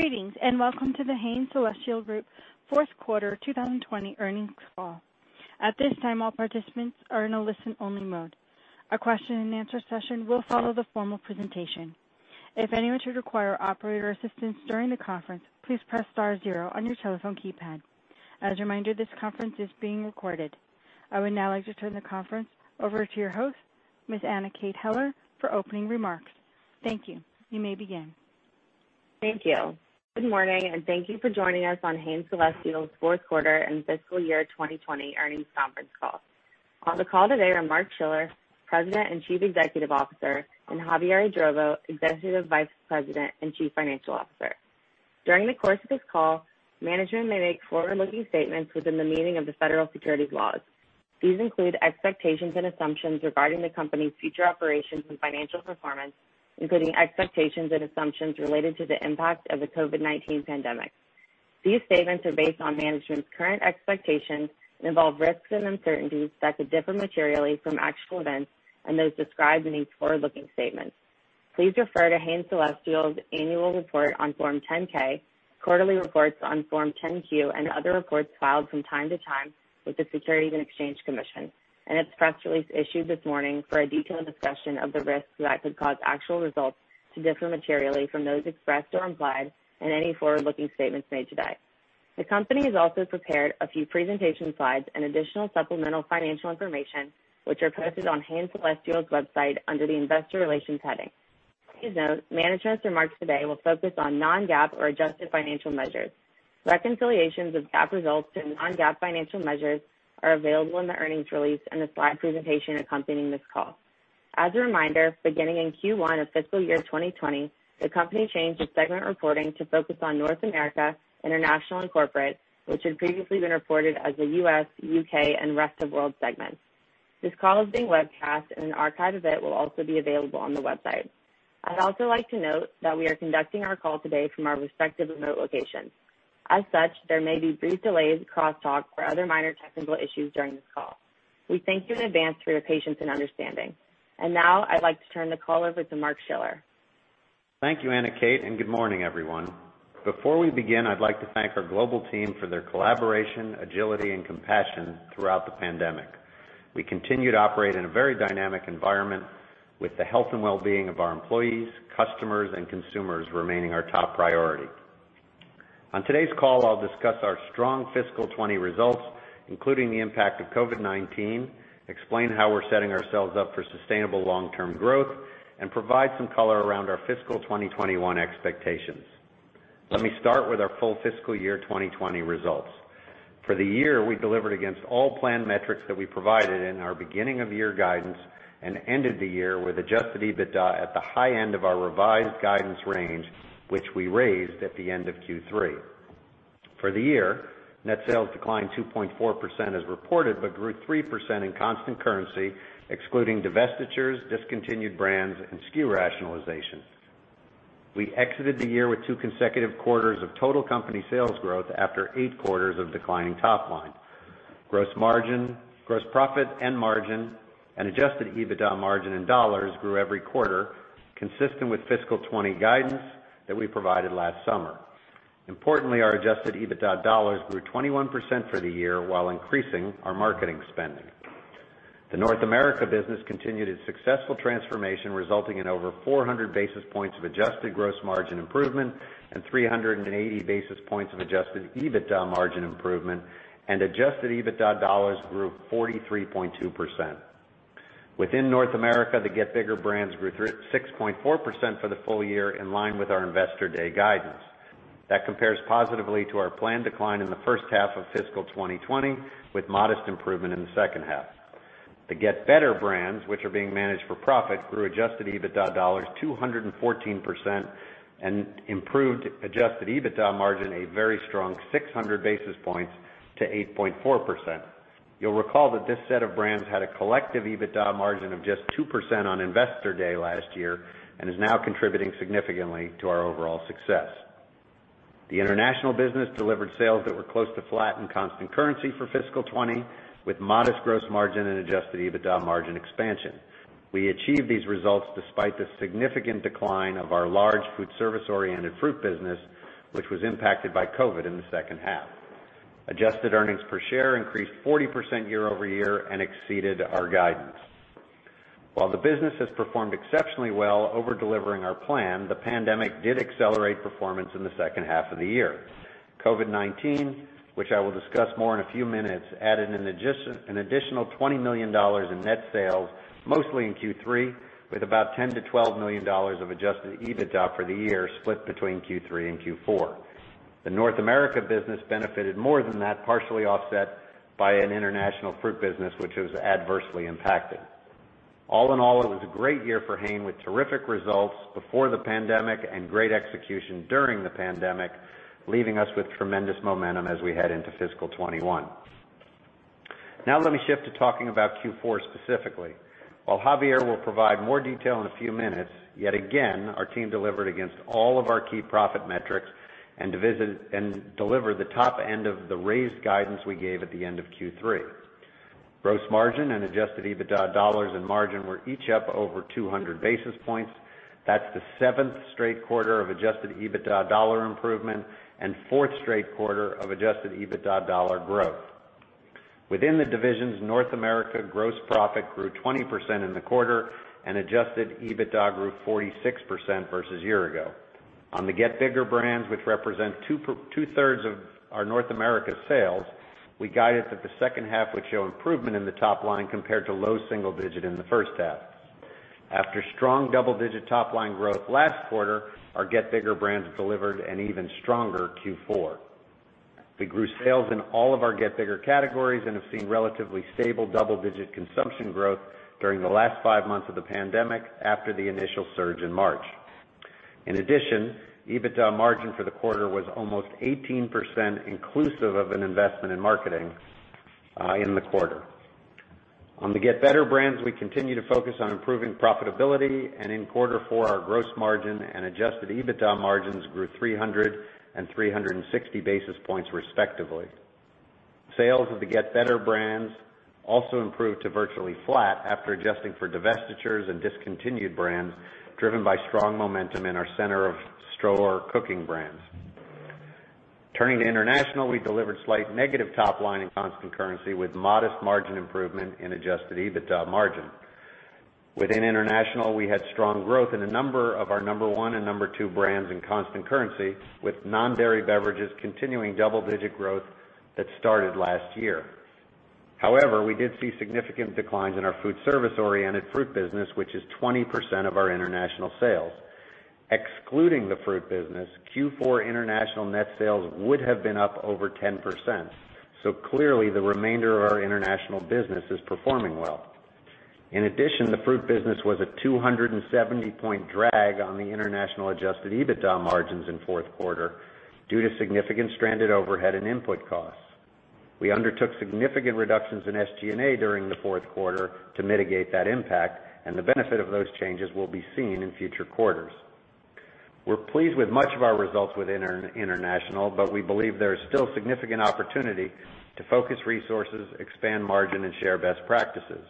Greetings, and welcome to The Hain Celestial Group fourth quarter 2020 earnings call. At this time, all participants are in a listen-only mode. A question and answer session will follow the formal presentation. If anyone should require operator assistance during the conference, please press star zero on your telephone keypad. As a reminder, this conference is being recorded. I would now like to turn the conference over to your host, Ms. Anna Kate Heller, for opening remarks. Thank you. You may begin. Thank you. Good morning, and thank you for joining us on Hain Celestial's fourth quarter and fiscal year 2020 earnings conference call. On the call today are Mark Schiller, President and Chief Executive Officer, and Javier Idrovo, Executive Vice President and Chief Financial Officer. During the course of this call, management may make forward-looking statements within the meaning of the federal securities laws. These include expectations and assumptions regarding the company's future operations and financial performance, including expectations and assumptions related to the impact of the COVID-19 pandemic. These statements are based on management's current expectations and involve risks and uncertainties that could differ materially from actual events and those described in these forward-looking statements. Please refer to Hain Celestial's annual report on Form 10-K, quarterly reports on Form 10-Q, and other reports filed from time to time with the Securities and Exchange Commission and its press release issued this morning for a detailed discussion of the risks that could cause actual results to differ materially from those expressed or implied in any forward-looking statements made today. The company has also prepared a few presentation slides and additional supplemental financial information, which are posted on Hain Celestial's website under the Investor Relations heading. Please note, management's remarks today will focus on non-GAAP or adjusted financial measures. Reconciliations of GAAP results to non-GAAP financial measures are available in the earnings release and the slide presentation accompanying this call. As a reminder, beginning in Q1 of fiscal year 2020, the company changed its segment reporting to focus on North America, International, and Corporate, which had previously been reported as the U.S., U.K., and rest of world segments. This call is being webcast, and an archive of it will also be available on the website. I'd also like to note that we are conducting our call today from our respective remote locations. As such, there may be brief delays, crosstalk, or other minor technical issues during this call. We thank you in advance for your patience and understanding. Now I'd like to turn the call over to Mark Schiller. Thank you, Anna Kate. Good morning, everyone. Before we begin, I'd like to thank our global team for their collaboration, agility, and compassion throughout the pandemic. We continue to operate in a very dynamic environment with the health and wellbeing of our employees, customers, and consumers remaining our top priority. On today's call, I'll discuss our strong fiscal 2020 results, including the impact of COVID-19, explain how we're setting ourselves up for sustainable long-term growth, and provide some color around our fiscal 2021 expectations. Let me start with our full fiscal year 2020 results. For the year, we delivered against all planned metrics that we provided in our beginning of year guidance and ended the year with adjusted EBITDA at the high end of our revised guidance range, which we raised at the end of Q3. For the year, net sales declined 2.4% as reported but grew 3% in constant currency, excluding divestitures, discontinued brands, and SKU rationalization. We exited the year with two consecutive quarters of total company sales growth after eight quarters of declining top line. Gross profit and margin and adjusted EBITDA margin in dollars grew every quarter, consistent with FY 2020 guidance that we provided last summer. Importantly, our adjusted EBITDA dollars grew 21% for the year while increasing our marketing spending. The North America business continued its successful transformation, resulting in over 400 basis points of adjusted gross margin improvement and 380 basis points of adjusted EBITDA margin improvement, and adjusted EBITDA dollars grew 43.2%. Within North America, the Get Bigger brands grew 6.4% for the full year, in line with our Investor Day guidance. That compares positively to our planned decline in the first half of fiscal 2020 with modest improvement in the second half. The Get Better brands, which are being managed for profit, grew adjusted EBITDA dollars 214% and improved adjusted EBITDA margin a very strong 600 basis points to 8.4%. You'll recall that this set of brands had a collective EBITDA margin of just 2% on Investor Day last year and is now contributing significantly to our overall success. The international business delivered sales that were close to flat in constant currency for fiscal 2020, with modest gross margin and adjusted EBITDA margin expansion. We achieved these results despite the significant decline of our large food service-oriented fruit business, which was impacted by COVID in the second half. Adjusted earnings per share increased 40% year-over-year and exceeded our guidance. While the business has performed exceptionally well over-delivering our plan, the pandemic did accelerate performance in the second half of the year. COVID-19, which I will discuss more in a few minutes, added an additional $20 million in net sales, mostly in Q3, with about $10 million-$12 million of adjusted EBITDA for the year split between Q3 and Q4. The North America business benefited more than that, partially offset by an international fruit business, which was adversely impacted. All in all, it was a great year for Hain, with terrific results before the pandemic and great execution during the pandemic, leaving us with tremendous momentum as we head into fiscal 2021. Let me shift to talking about Q4 specifically. While Javier will provide more detail in a few minutes, yet again, our team delivered against all of our key profit metrics and delivered the top end of the raised guidance we gave at the end of Q3. Gross margin and adjusted EBITDA dollars and margin were each up over 200 basis points. That's the seventh straight quarter of adjusted EBITDA dollar improvement and fourth straight quarter of adjusted EBITDA dollar growth. Within the divisions, North America gross profit grew 20% in the quarter, and adjusted EBITDA grew 46% versus year ago. On the Get Bigger brands, which represent two-thirds of our North America sales, we guided that the second half would show improvement in the top line compared to low single digit in the first half. After strong double-digit top line growth last quarter, our Get Bigger brands delivered an even stronger Q4. We grew sales in all of our Get Bigger categories and have seen relatively stable double-digit consumption growth during the last five months of the pandemic after the initial surge in March. In addition, EBITDA margin for the quarter was almost 18% inclusive of an investment in marketing in the quarter. On the Get Better brands, we continue to focus on improving profitability, in quarter four, our gross margin and adjusted EBITDA margins grew 300 and 360 basis points respectively. Sales of the Get Better brands also improved to virtually flat after adjusting for divestitures and discontinued brands, driven by strong momentum in our center of store cooking brands. Turning to International, we delivered slight negative top line in constant currency with modest margin improvement in adjusted EBITDA margin. Within International, we had strong growth in a number of our number one and number two brands in constant currency, with non-dairy beverages continuing double-digit growth that started last year. However, we did see significant declines in our food service-oriented fruit business, which is 20% of our international sales. Excluding the fruit business, Q4 international net sales would have been up over 10%. Clearly the remainder of our international business is performing well. In addition, the fruit business was a 270-point drag on the International adjusted EBITDA margins in fourth quarter due to significant stranded overhead and input costs. We undertook significant reductions in SG&A during the fourth quarter to mitigate that impact, and the benefit of those changes will be seen in future quarters. We're pleased with much of our results with International, but we believe there is still significant opportunity to focus resources, expand margin, and share best practices.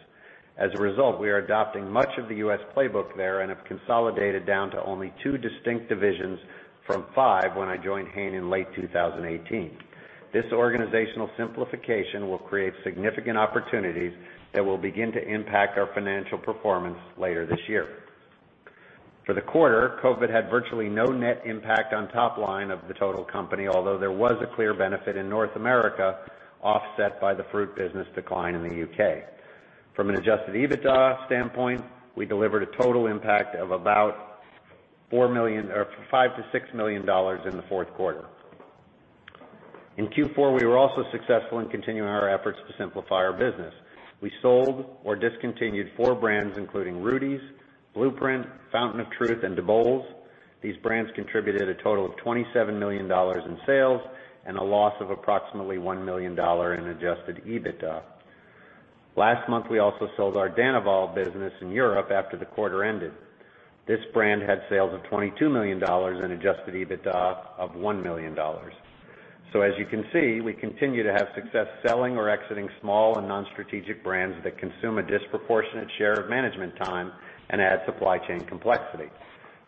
As a result, we are adopting much of the U.S. playbook there and have consolidated down to only two distinct divisions from five when I joined Hain in late 2018. This organizational simplification will create significant opportunities that will begin to impact our financial performance later this year. For the quarter, COVID had virtually no net impact on top line of the total company, although there was a clear benefit in North America offset by the fruit business decline in the U.K. From an adjusted EBITDA standpoint, we delivered a total impact of about $5 million-$6 million in the fourth quarter. In Q4, we were also successful in continuing our efforts to simplify our business. We sold or discontinued four brands, including Rudi's, BluePrint, Fountain of Truth, and DeBoles. These brands contributed a total of $27 million in sales and a loss of approximately $1 million in adjusted EBITDA. Last month, we also sold our Danival business in Europe after the quarter ended. This brand had sales of $22 million and adjusted EBITDA of $1 million. As you can see, we continue to have success selling or exiting small and non-strategic brands that consume a disproportionate share of management time and add supply chain complexity.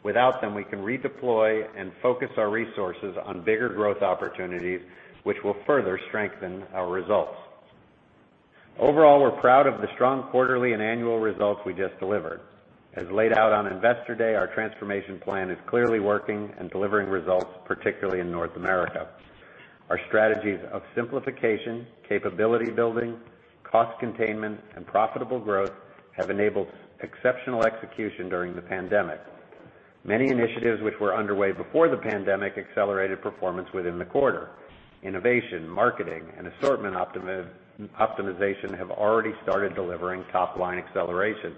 Without them, we can redeploy and focus our resources on bigger growth opportunities, which will further strengthen our results. Overall, we're proud of the strong quarterly and annual results we just delivered. As laid out on Investor Day, our transformation plan is clearly working and delivering results, particularly in North America. Our strategies of simplification, capability building, cost containment, and profitable growth have enabled exceptional execution during the pandemic. Many initiatives which were underway before the pandemic accelerated performance within the quarter. Innovation, marketing, and assortment optimization have already started delivering top-line accelerations.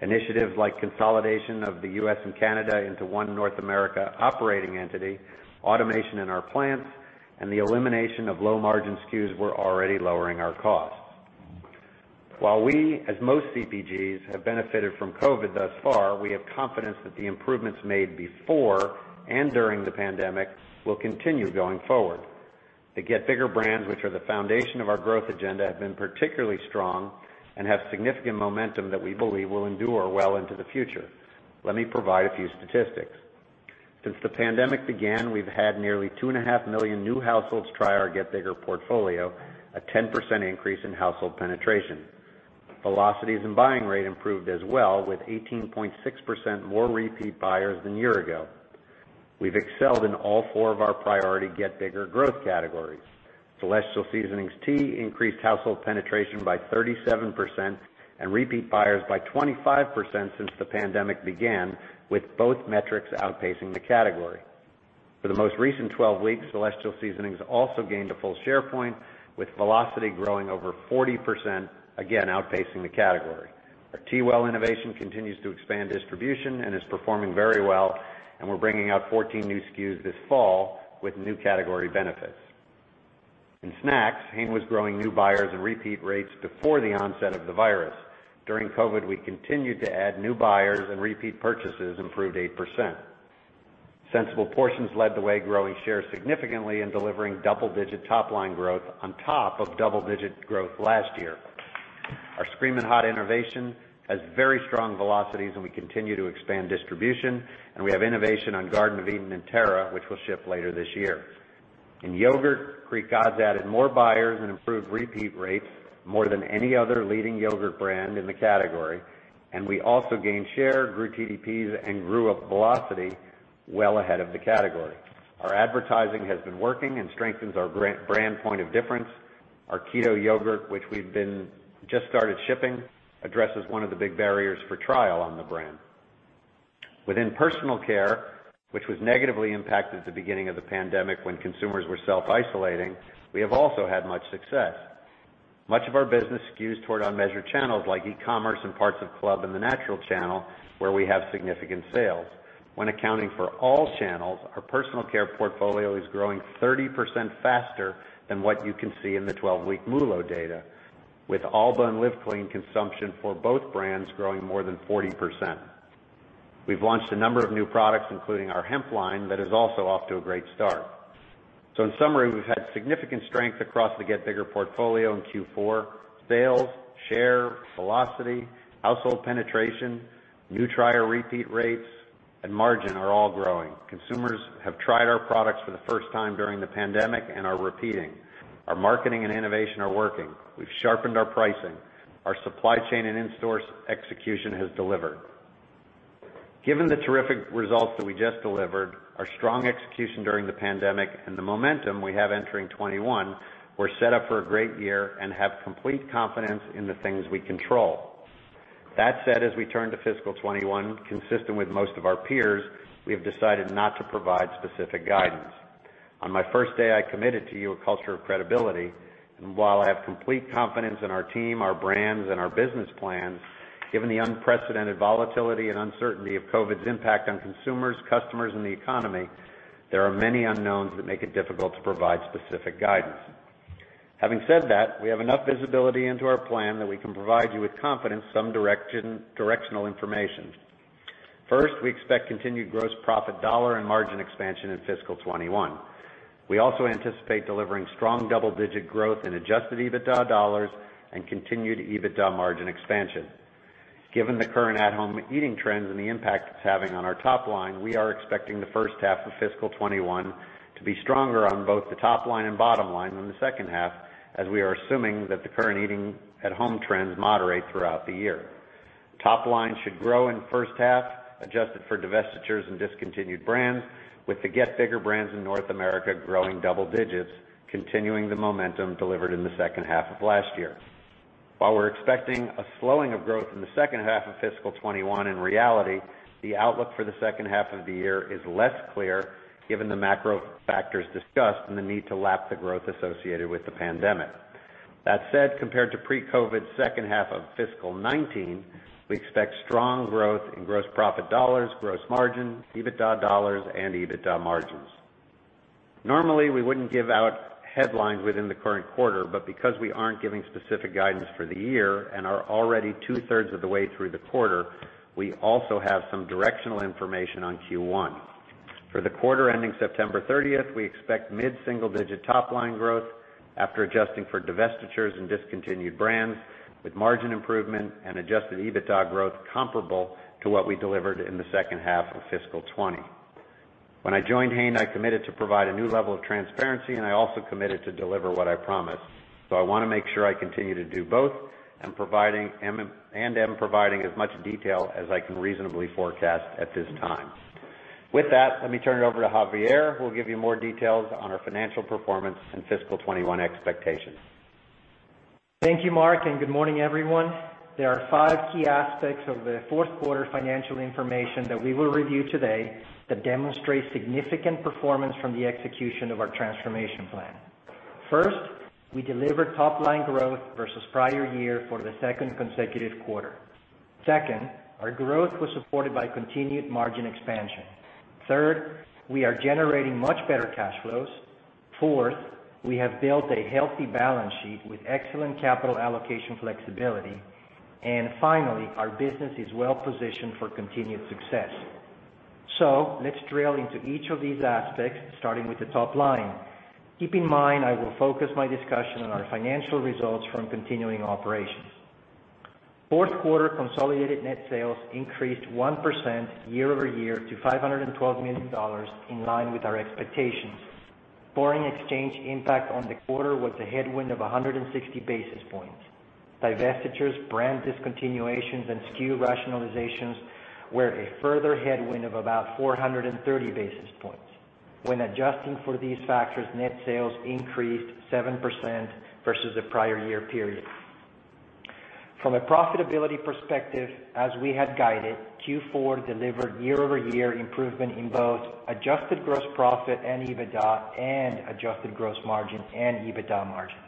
Initiatives like consolidation of the U.S. and Canada into one North America operating entity, automation in our plants, and the elimination of low-margin SKUs were already lowering our costs. While we, as most CPGs, have benefited from COVID thus far, we have confidence that the improvements made before and during the pandemic will continue going forward. The Get Bigger brands, which are the foundation of our growth agenda, have been particularly strong and have significant momentum that we believe will endure well into the future. Let me provide a few statistics. Since the pandemic began, we've had nearly 2.5 million new households try our Get Bigger portfolio, a 10% increase in household penetration. Velocities and buying rate improved as well, with 18.6% more repeat buyers than year ago. We've excelled in all four of our priority Get Bigger growth categories. Celestial Seasonings tea increased household penetration by 37% and repeat buyers by 25% since the pandemic began, with both metrics outpacing the category. For the most recent 12 weeks, Celestial Seasonings also gained a full share point, with velocity growing over 40%, again outpacing the category. Our TeaWell innovation continues to expand distribution and is performing very well. We're bringing out 14 new SKUs this fall with new category benefits. In snacks, Hain was growing new buyers and repeat rates before the onset of the virus. During COVID-19, we continued to add new buyers, and repeat purchases improved 8%. Sensible Portions led the way, growing shares significantly and delivering double-digit top-line growth on top of double-digit growth last year. Our Screamin' Hot innovation has very strong velocities, and we continue to expand distribution, and we have innovation on Garden of Eatin' and Terra, which will ship later this year. In yogurt, Greek Gods added more buyers and improved repeat rates more than any other leading yogurt brand in the category, and we also gained share, grew TDPs, and grew velocity well ahead of the category. Our advertising has been working and strengthens our brand point of difference. Our keto yogurt, which we've just started shipping, addresses one of the big barriers for trial on the brand. Within personal care, which was negatively impacted at the beginning of the pandemic when consumers were self-isolating, we have also had much success. Much of our business skews toward unmeasured channels like e-commerce and parts of club and the natural channel, where we have significant sales. When accounting for all channels, our personal care portfolio is growing 30% faster than what you can see in the 12-week MULO data, with Alba and Live Clean consumption for both brands growing more than 40%. We've launched a number of new products, including our hemp line, that is also off to a great start. In summary, we've had significant strength across the Get Bigger portfolio in Q4. Sales, share, velocity, household penetration, new trial repeat rates, and margin are all growing. Consumers have tried our products for the first time during the pandemic and are repeating. Our marketing and innovation are working. We've sharpened our pricing. Our supply chain and in-store execution has delivered. Given the terrific results that we just delivered, our strong execution during the pandemic, and the momentum we have entering 2021, we're set up for a great year and have complete confidence in the things we control. That said, as we turn to fiscal 2021, consistent with most of our peers, we have decided not to provide specific guidance. On my first day, I committed to you a culture of credibility, and while I have complete confidence in our team, our brands, and our business plans, given the unprecedented volatility and uncertainty of COVID's impact on consumers, customers, and the economy, there are many unknowns that make it difficult to provide specific guidance. Having said that, we have enough visibility into our plan that we can provide you with confidence some directional information. First, we expect continued gross profit dollar and margin expansion in fiscal 2021. We also anticipate delivering strong double-digit growth in adjusted EBITDA dollars and continued EBITDA margin expansion. Given the current at-home eating trends and the impact it's having on our top line, we are expecting the first half of fiscal 2021 to be stronger on both the top line and bottom line than the second half, as we are assuming that the current eating at-home trends moderate throughout the year. Top line should grow in the first half, adjusted for divestitures and discontinued brands, with the Get Bigger brands in North America growing double digits, continuing the momentum delivered in the second half of last year. While we're expecting a slowing of growth in the second half of fiscal 2021, in reality, the outlook for the second half of the year is less clear given the macro factors discussed and the need to lap the growth associated with the pandemic. That said, compared to pre-COVID second half of fiscal 2019, we expect strong growth in gross profit dollars, gross margin, EBITDA dollars, and EBITDA margins. Normally, we wouldn't give out headlines within the current quarter, but because we aren't giving specific guidance for the year and are already 2/3 of the way through the quarter, we also have some directional information on Q1. For the quarter ending September 30th, we expect mid-single-digit top-line growth after adjusting for divestitures and discontinued brands with margin improvement and adjusted EBITDA growth comparable to what we delivered in the second half of fiscal 2020. When I joined Hain, I committed to provide a new level of transparency, and I also committed to deliver what I promised, so I want to make sure I continue to do both and am providing as much detail as I can reasonably forecast at this time. With that, let me turn it over to Javier, who will give you more details on our financial performance and fiscal 2021 expectations. Thank you, Mark, good morning, everyone. There are five key aspects of the fourth quarter financial information that we will review today that demonstrate significant performance from the execution of our transformation plan. First, we delivered top-line growth versus the prior year for the second consecutive quarter. Second, our growth was supported by continued margin expansion. Third, we are generating much better cash flows. Fourth, we have built a healthy balance sheet with excellent capital allocation flexibility. Finally, our business is well positioned for continued success. Let's drill into each of these aspects, starting with the top line. Keep in mind I will focus my discussion on our financial results from continuing operations. Fourth quarter consolidated net sales increased 1% year-over-year to $512 million, in line with our expectations. Foreign exchange impact on the quarter was a headwind of 160 basis points. Divestitures, brand discontinuations, and SKU rationalizations were a further headwind of about 430 basis points. When adjusting for these factors, net sales increased 7% versus the prior year period. From a profitability perspective, as we had guided, Q4 delivered year-over-year improvement in both adjusted gross profit and EBITDA and adjusted gross margin and EBITDA margin.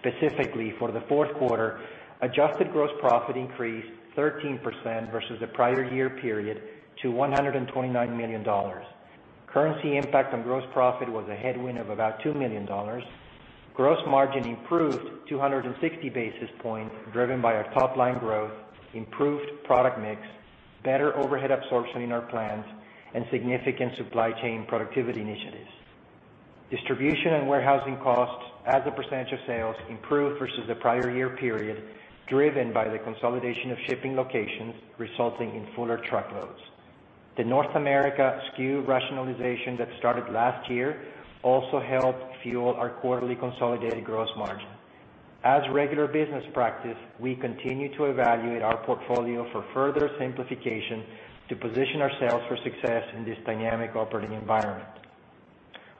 Specifically, for the fourth quarter, adjusted gross profit increased 13% versus the prior year period to $129 million. Currency impact on gross profit was a headwind of about $2 million. Gross margin improved 260 basis points, driven by our top-line growth, improved product mix, better overhead absorption in our plants, and significant supply chain productivity initiatives. Distribution and warehousing costs as a percentage of sales improved versus the prior year period, driven by the consolidation of shipping locations, resulting in fuller truckloads. The North America SKU rationalization that started last year also helped fuel our quarterly consolidated gross margin. As regular business practice, we continue to evaluate our portfolio for further simplification to position ourselves for success in this dynamic operating environment.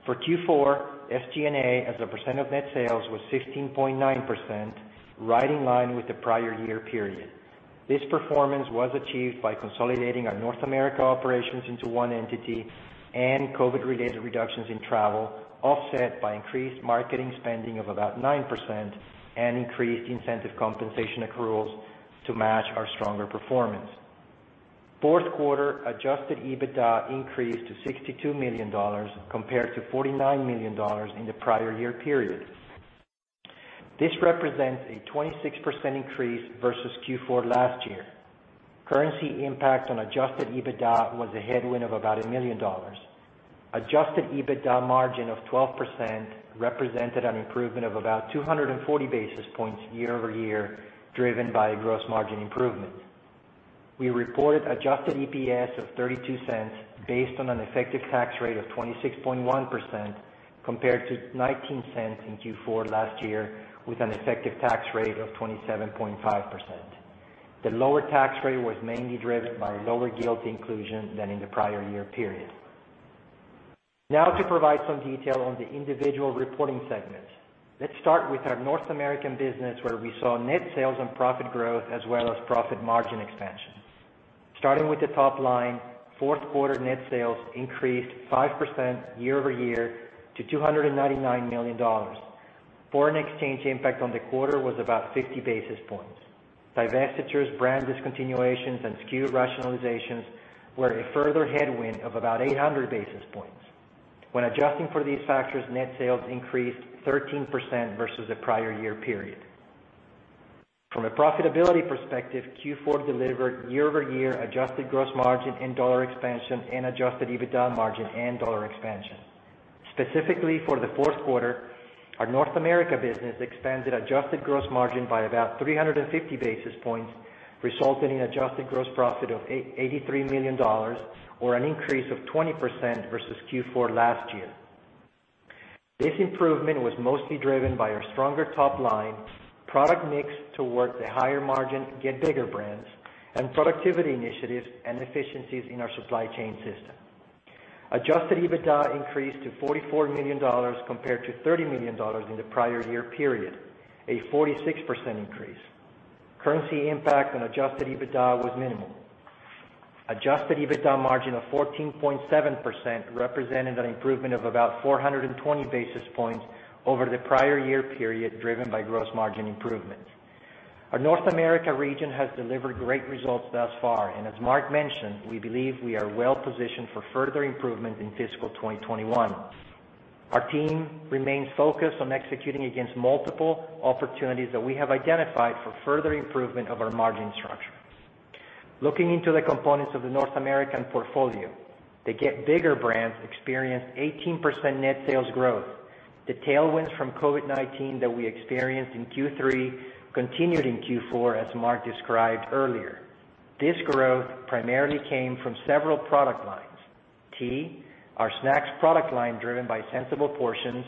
For Q4, SG&A as a percent of net sales was 16.9%, right in line with the prior year period. This performance was achieved by consolidating our North America operations into one entity and COVID-related reductions in travel, offset by increased marketing spending of about 9% and increased incentive compensation accruals to match our stronger performance. Fourth quarter adjusted EBITDA increased to $62 million compared to $49 million in the prior year period. This represents a 26% increase versus Q4 last year. Currency impact on adjusted EBITDA was a headwind of about $1 million. Adjusted EBITDA margin of 12% represented an improvement of about 240 basis points year-over-year, driven by gross margin improvement. We reported adjusted EPS of $0.32 based on an effective tax rate of 26.1% compared to $0.19 in Q4 last year, with an effective tax rate of 27.5%. The lower tax rate was mainly driven by lower GILTI inclusion than in the prior year period. Now, to provide some detail on the individual reporting segments. Let's start with our North American Business, where we saw net sales and profit growth as well as profit margin expansion. Starting with the top line, fourth quarter net sales increased 5% year-over-year to $299 million. Foreign exchange impact on the quarter was about 50 basis points. Divestitures, brand discontinuations, and SKU rationalizations were a further headwind of about 800 basis points. When adjusting for these factors, net sales increased 13% versus the prior year period. From a profitability perspective, Q4 delivered year-over-year adjusted gross margin and dollar expansion and adjusted EBITDA margin and dollar expansion. Specifically for the fourth quarter, our North America business expanded adjusted gross margin by about 350 basis points, resulting in adjusted gross profit of $83 million, or an increase of 20% versus Q4 last year. This improvement was mostly driven by our stronger top line, product mix towards the higher margin Get Bigger brands, and productivity initiatives and efficiencies in our supply chain system. Adjusted EBITDA increased to $44 million compared to $30 million in the prior year period, a 46% increase. Currency impact on adjusted EBITDA was minimal. Adjusted EBITDA margin of 14.7% represented an improvement of about 420 basis points over the prior year period, driven by gross margin improvement. Our North America region has delivered great results thus far, as Mark mentioned, we believe we are well-positioned for further improvement in fiscal 2021. Our team remains focused on executing against multiple opportunities that we have identified for further improvement of our margin structures. Looking into the components of the North American portfolio, the Get Bigger brands experienced 18% net sales growth. The tailwinds from COVID-19 that we experienced in Q3 continued in Q4, as Mark described earlier. This growth primarily came from several product lines: tea, our snacks product line driven by Sensible Portions,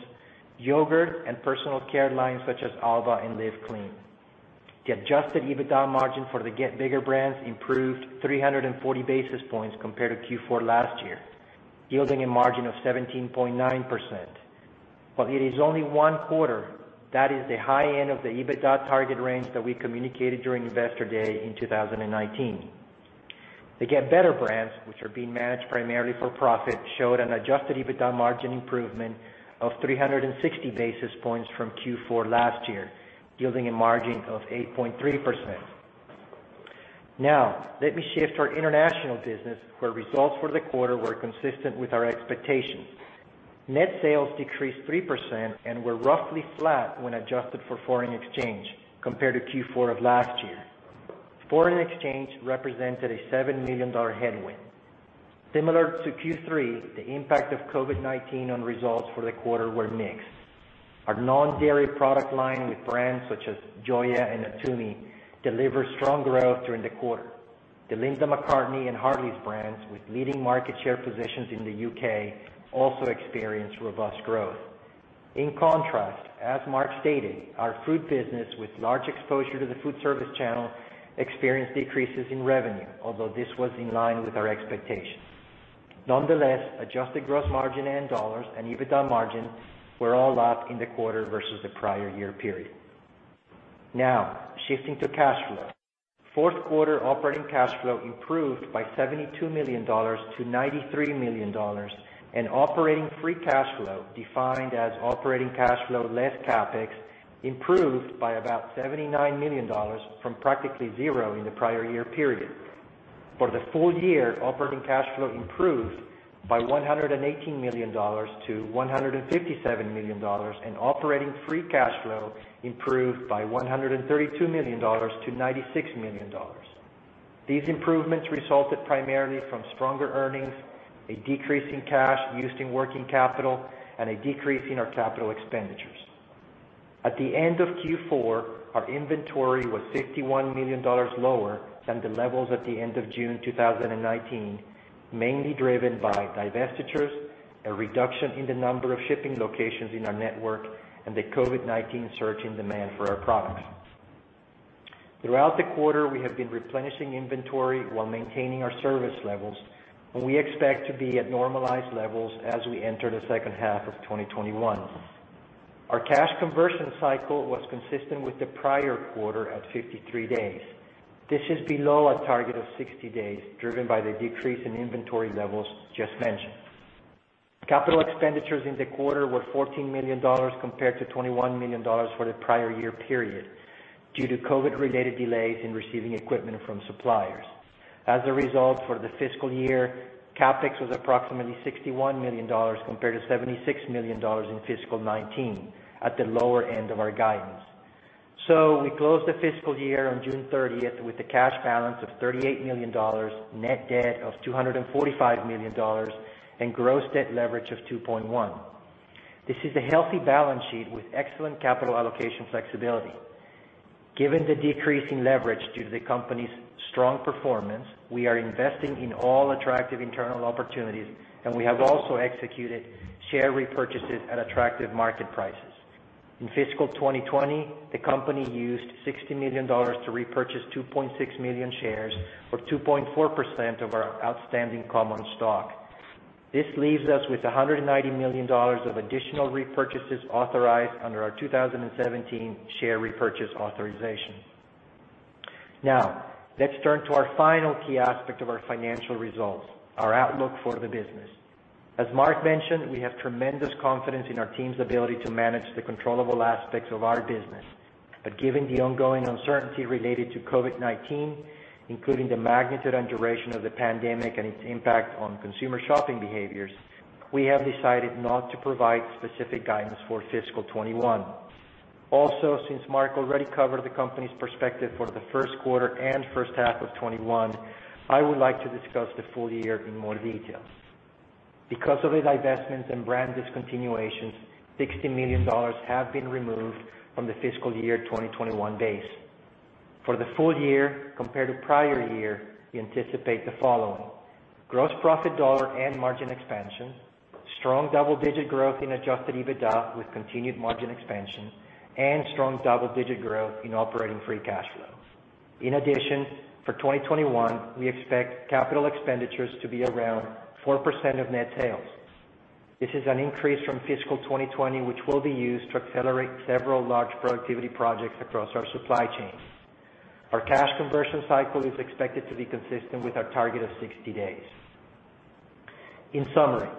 yogurt, and personal care lines such as Alba and Live Clean. The adjusted EBITDA margin for the Get Bigger brands improved 340 basis points compared to Q4 last year, yielding a margin of 17.9%. While it is only one quarter, that is the high end of the EBITDA target range that we communicated during Investor Day in 2019. The Get Better brands, which are being managed primarily for profit, showed an adjusted EBITDA margin improvement of 360 basis points from Q4 last year, yielding a margin of 8.3%. Let me shift to our International business, where results for the quarter were consistent with our expectations. Net sales decreased 3% and were roughly flat when adjusted for foreign exchange compared to Q4 of last year. Foreign exchange represented a $7 million headwind. Similar to Q3, the impact of COVID-19 on results for the quarter were mixed. Our non-dairy product line with brands such as Joya and Natumi delivered strong growth during the quarter. The Linda McCartney and Hartley's brands with leading market share positions in the U.K. also experienced robust growth. In contrast, as Mark stated, our food business with large exposure to the food service channel experienced decreases in revenue, although this was in line with our expectations. Nonetheless, adjusted gross margin and dollars and EBITDA margins were all up in the quarter versus the prior year period. Now, shifting to cash flow. fourth quarter operating cash flow improved by $72 million to $93 million, and operating free cash flow, defined as operating cash flow less CapEx, improved by about $79 million from practically zero in the prior year period. For the full year, operating cash flow improved by $118 million to $157 million, and operating free cash flow improved by $132 million to $96 million. These improvements resulted primarily from stronger earnings, a decrease in cash used in working capital, and a decrease in our capital expenditures. At the end of Q4, our inventory was $51 million lower than the levels at the end of June 2019, mainly driven by divestitures, a reduction in the number of shipping locations in our network, and the COVID-19 surge in demand for our products. Throughout the quarter, we have been replenishing inventory while maintaining our service levels, and we expect to be at normalized levels as we enter the second half of 2021. Our cash conversion cycle was consistent with the prior quarter at 53 days. This is below a target of 60 days, driven by the decrease in inventory levels just mentioned. Capital expenditures in the quarter were $14 million, compared to $21 million for the prior year period, due to COVID-related delays in receiving equipment from suppliers. As a result, for the fiscal year, CapEx was approximately $61 million compared to $76 million in fiscal 2019, at the lower end of our guidance. We closed the fiscal year on June 30th with a cash balance of $38 million, net debt of $245 million, and gross debt leverage of 2.1. This is a healthy balance sheet with excellent capital allocation flexibility. Given the decrease in leverage due to the company's strong performance, we are investing in all attractive internal opportunities, and we have also executed share repurchases at attractive market prices. In fiscal 2020, the company used $60 million to repurchase 2.6 million shares, or 2.4% of our outstanding common stock. This leaves us with $190 million of additional repurchases authorized under our 2017 share repurchase authorization. Let's turn to our final key aspect of our financial results, our outlook for the business. As Mark mentioned, we have tremendous confidence in our team's ability to manage the controllable aspects of our business. Given the ongoing uncertainty related to COVID-19, including the magnitude and duration of the pandemic and its impact on consumer shopping behaviors, we have decided not to provide specific guidance for fiscal 2021. Since Mark already covered the company's perspective for the first quarter and first half of 2021, I would like to discuss the full year in more details. Because of the divestments and brand discontinuations, $60 million have been removed from the fiscal year 2021 base. For the full year, compared to prior year, we anticipate the following: gross profit dollar and margin expansion, strong double-digit growth in adjusted EBITDA with continued margin expansion, and strong double-digit growth in operating free cash flow. In addition, for 2021, we expect capital expenditures to be around 4% of net sales. This is an increase from fiscal 2020, which will be used to accelerate several large productivity projects across our supply chains. Our cash conversion cycle is expected to be consistent with our target of 60 days. In summary,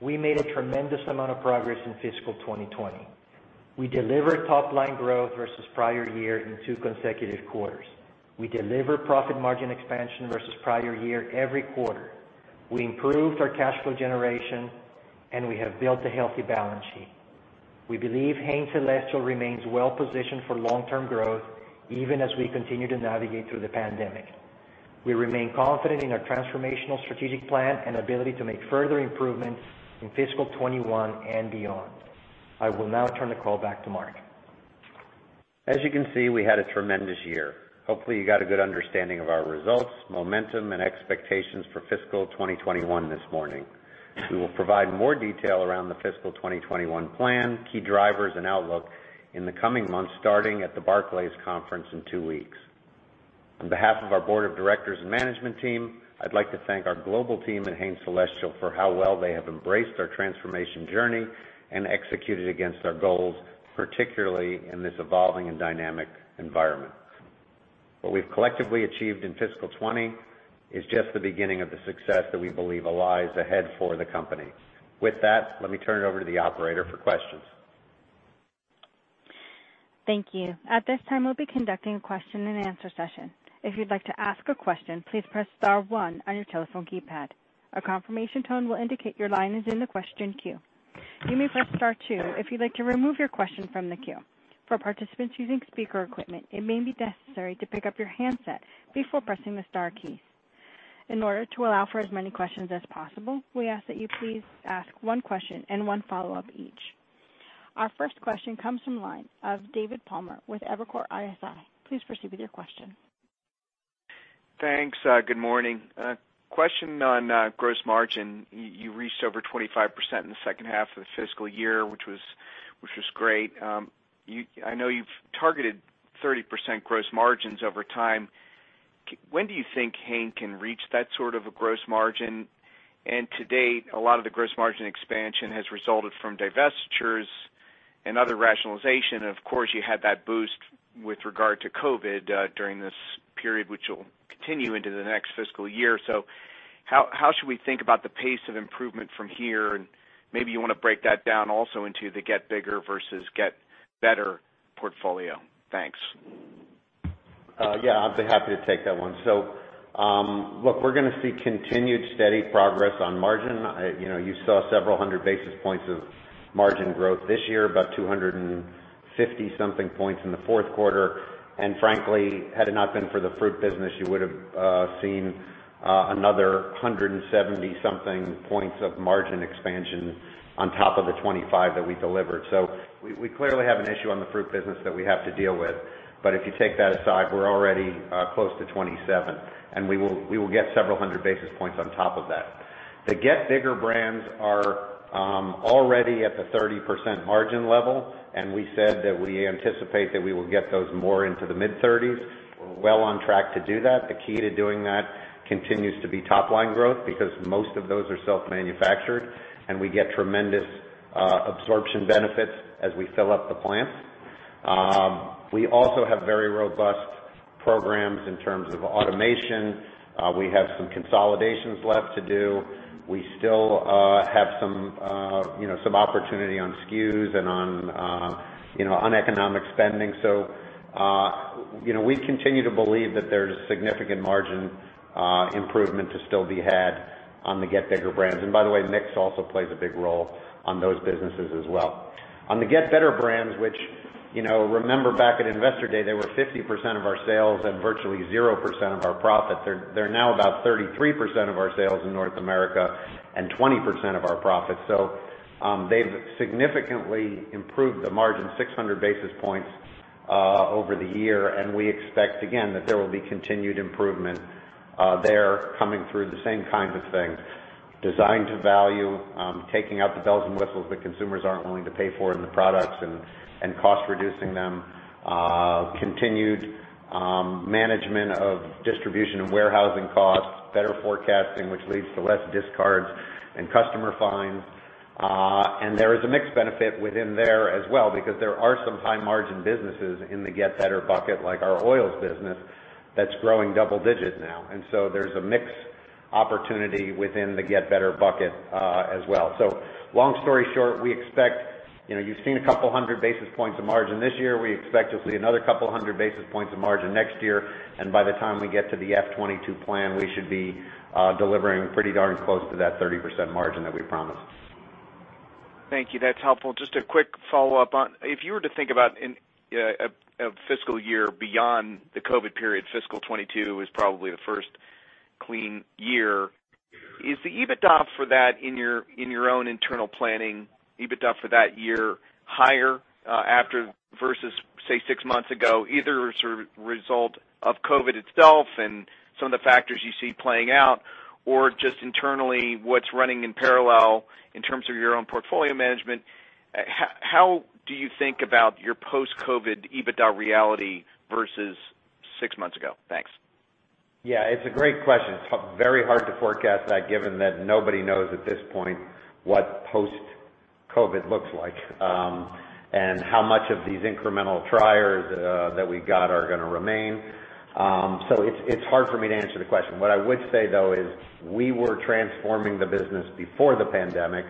we made a tremendous amount of progress in fiscal 2020. We delivered top-line growth versus prior year in two consecutive quarters. We delivered profit margin expansion versus prior year every quarter. We improved our cash flow generation, and we have built a healthy balance sheet. We believe Hain Celestial remains well-positioned for long-term growth, even as we continue to navigate through the pandemic. We remain confident in our transformational strategic plan and ability to make further improvements in fiscal 2021 and beyond. I will now turn the call back to Mark. As you can see, we had a tremendous year. Hopefully, you got a good understanding of our results, momentum, and expectations for fiscal 2021 this morning. We will provide more detail around the fiscal 2021 plan, key drivers, and outlook in the coming months, starting at the Barclays conference in two weeks. On behalf of our board of directors and management team, I'd like to thank our global team at Hain Celestial for how well they have embraced our transformation journey and executed against our goals, particularly in this evolving and dynamic environment. What we've collectively achieved in fiscal 2020 is just the beginning of the success that we believe lies ahead for the company. With that, let me turn it over to the operator for questions. Thank you. At this time, we'll be conducting a question and answer session. If you'd like to ask a question, please press star one on your telephone keypad. A confirmation tone will indicate your line is in the question queue. You may press star two if you'd like to remove your question from the queue. For participants using speaker equipment, it may be necessary to pick up your handset before pressing the star keys. In order to allow for as many questions as possible, we ask that you please ask one question and one follow-up each. Our first question comes from the line of David Palmer with Evercore ISI. Please proceed with your question. Thanks. Good morning. A question on gross margin. You reached over 25% in the second half of the fiscal year, which was great. I know you've targeted 30% gross margins over time. When do you think Hain can reach that sort of a gross margin? To date, a lot of the gross margin expansion has resulted from divestitures and other rationalization, and of course, you had that boost with regard to COVID during this period, which will continue into the next fiscal year. How should we think about the pace of improvement from here? Maybe you want to break that down also into the Get Bigger versus Get Better portfolio. Thanks. Yeah, I'd be happy to take that one. Look, we're going to see continued steady progress on margin. You saw several hundred basis points of margin growth this year, about 250 something points in the fourth quarter. Frankly, had it not been for the fruit business, you would've seen another 170 something points of margin expansion on top of the 25 that we delivered. We clearly have an issue on the fruit business that we have to deal with. If you take that aside, we're already close to 27, and we will get several hundred basis points on top of that. The Get Bigger brands are already at the 30% margin level, and we said that we anticipate that we will get those more into the mid-30s. We're well on track to do that. The key to doing that continues to be top-line growth because most of those are self-manufactured, and we get tremendous absorption benefits as we fill up the plants. We also have very robust programs in terms of automation. We have some consolidations left to do. We still have some opportunity on SKUs and on uneconomic spending. We continue to believe that there's significant margin improvement to still be had on the Get Bigger brands. By the way, mix also plays a big role on those businesses as well. On the Get Better brands, which, remember back at Investor Day, they were 50% of our sales and virtually 0% of our profit. They're now about 33% of our sales in North America and 20% of our profit. They've significantly improved the margin 600 basis points over the year, and we expect, again, that there will be continued improvement there coming through the same kinds of things, design to value, taking out the bells and whistles that consumers aren't willing to pay for in the products and cost reducing them. Continued management of distribution and warehousing costs, better forecasting, which leads to less discards and customer fines. There is a mix benefit within there as well because there are some high margin businesses in the Get Better bucket, like our oils business that's growing double digits now. There's a mix opportunity within the Get Better bucket as well. Long story short, we expect. You've seen a couple hundred basis points of margin this year. We expect you'll see another couple hundred basis points of margin next year. By the time we get to the FY 2022 plan, we should be delivering pretty darn close to that 30% margin that we promised. Thank you. That's helpful. Just a quick follow-up on, if you were to think about a fiscal year beyond the COVID period, fiscal 2022 is probably the first clean year. Is the EBITDA for that in your own internal planning, EBITDA for that year higher after versus say, six months ago, either as a result of COVID itself and some of the factors you see playing out, or just internally what's running in parallel in terms of your own portfolio management? How do you think about your post-COVID EBITDA reality versus six months ago? Thanks. Yeah, it's a great question. It's very hard to forecast that given that nobody knows at this point what post-COVID looks like, and how much of these incremental trials that we got are going to remain. It's hard for me to answer the question. What I would say though is we were transforming the business before the pandemic.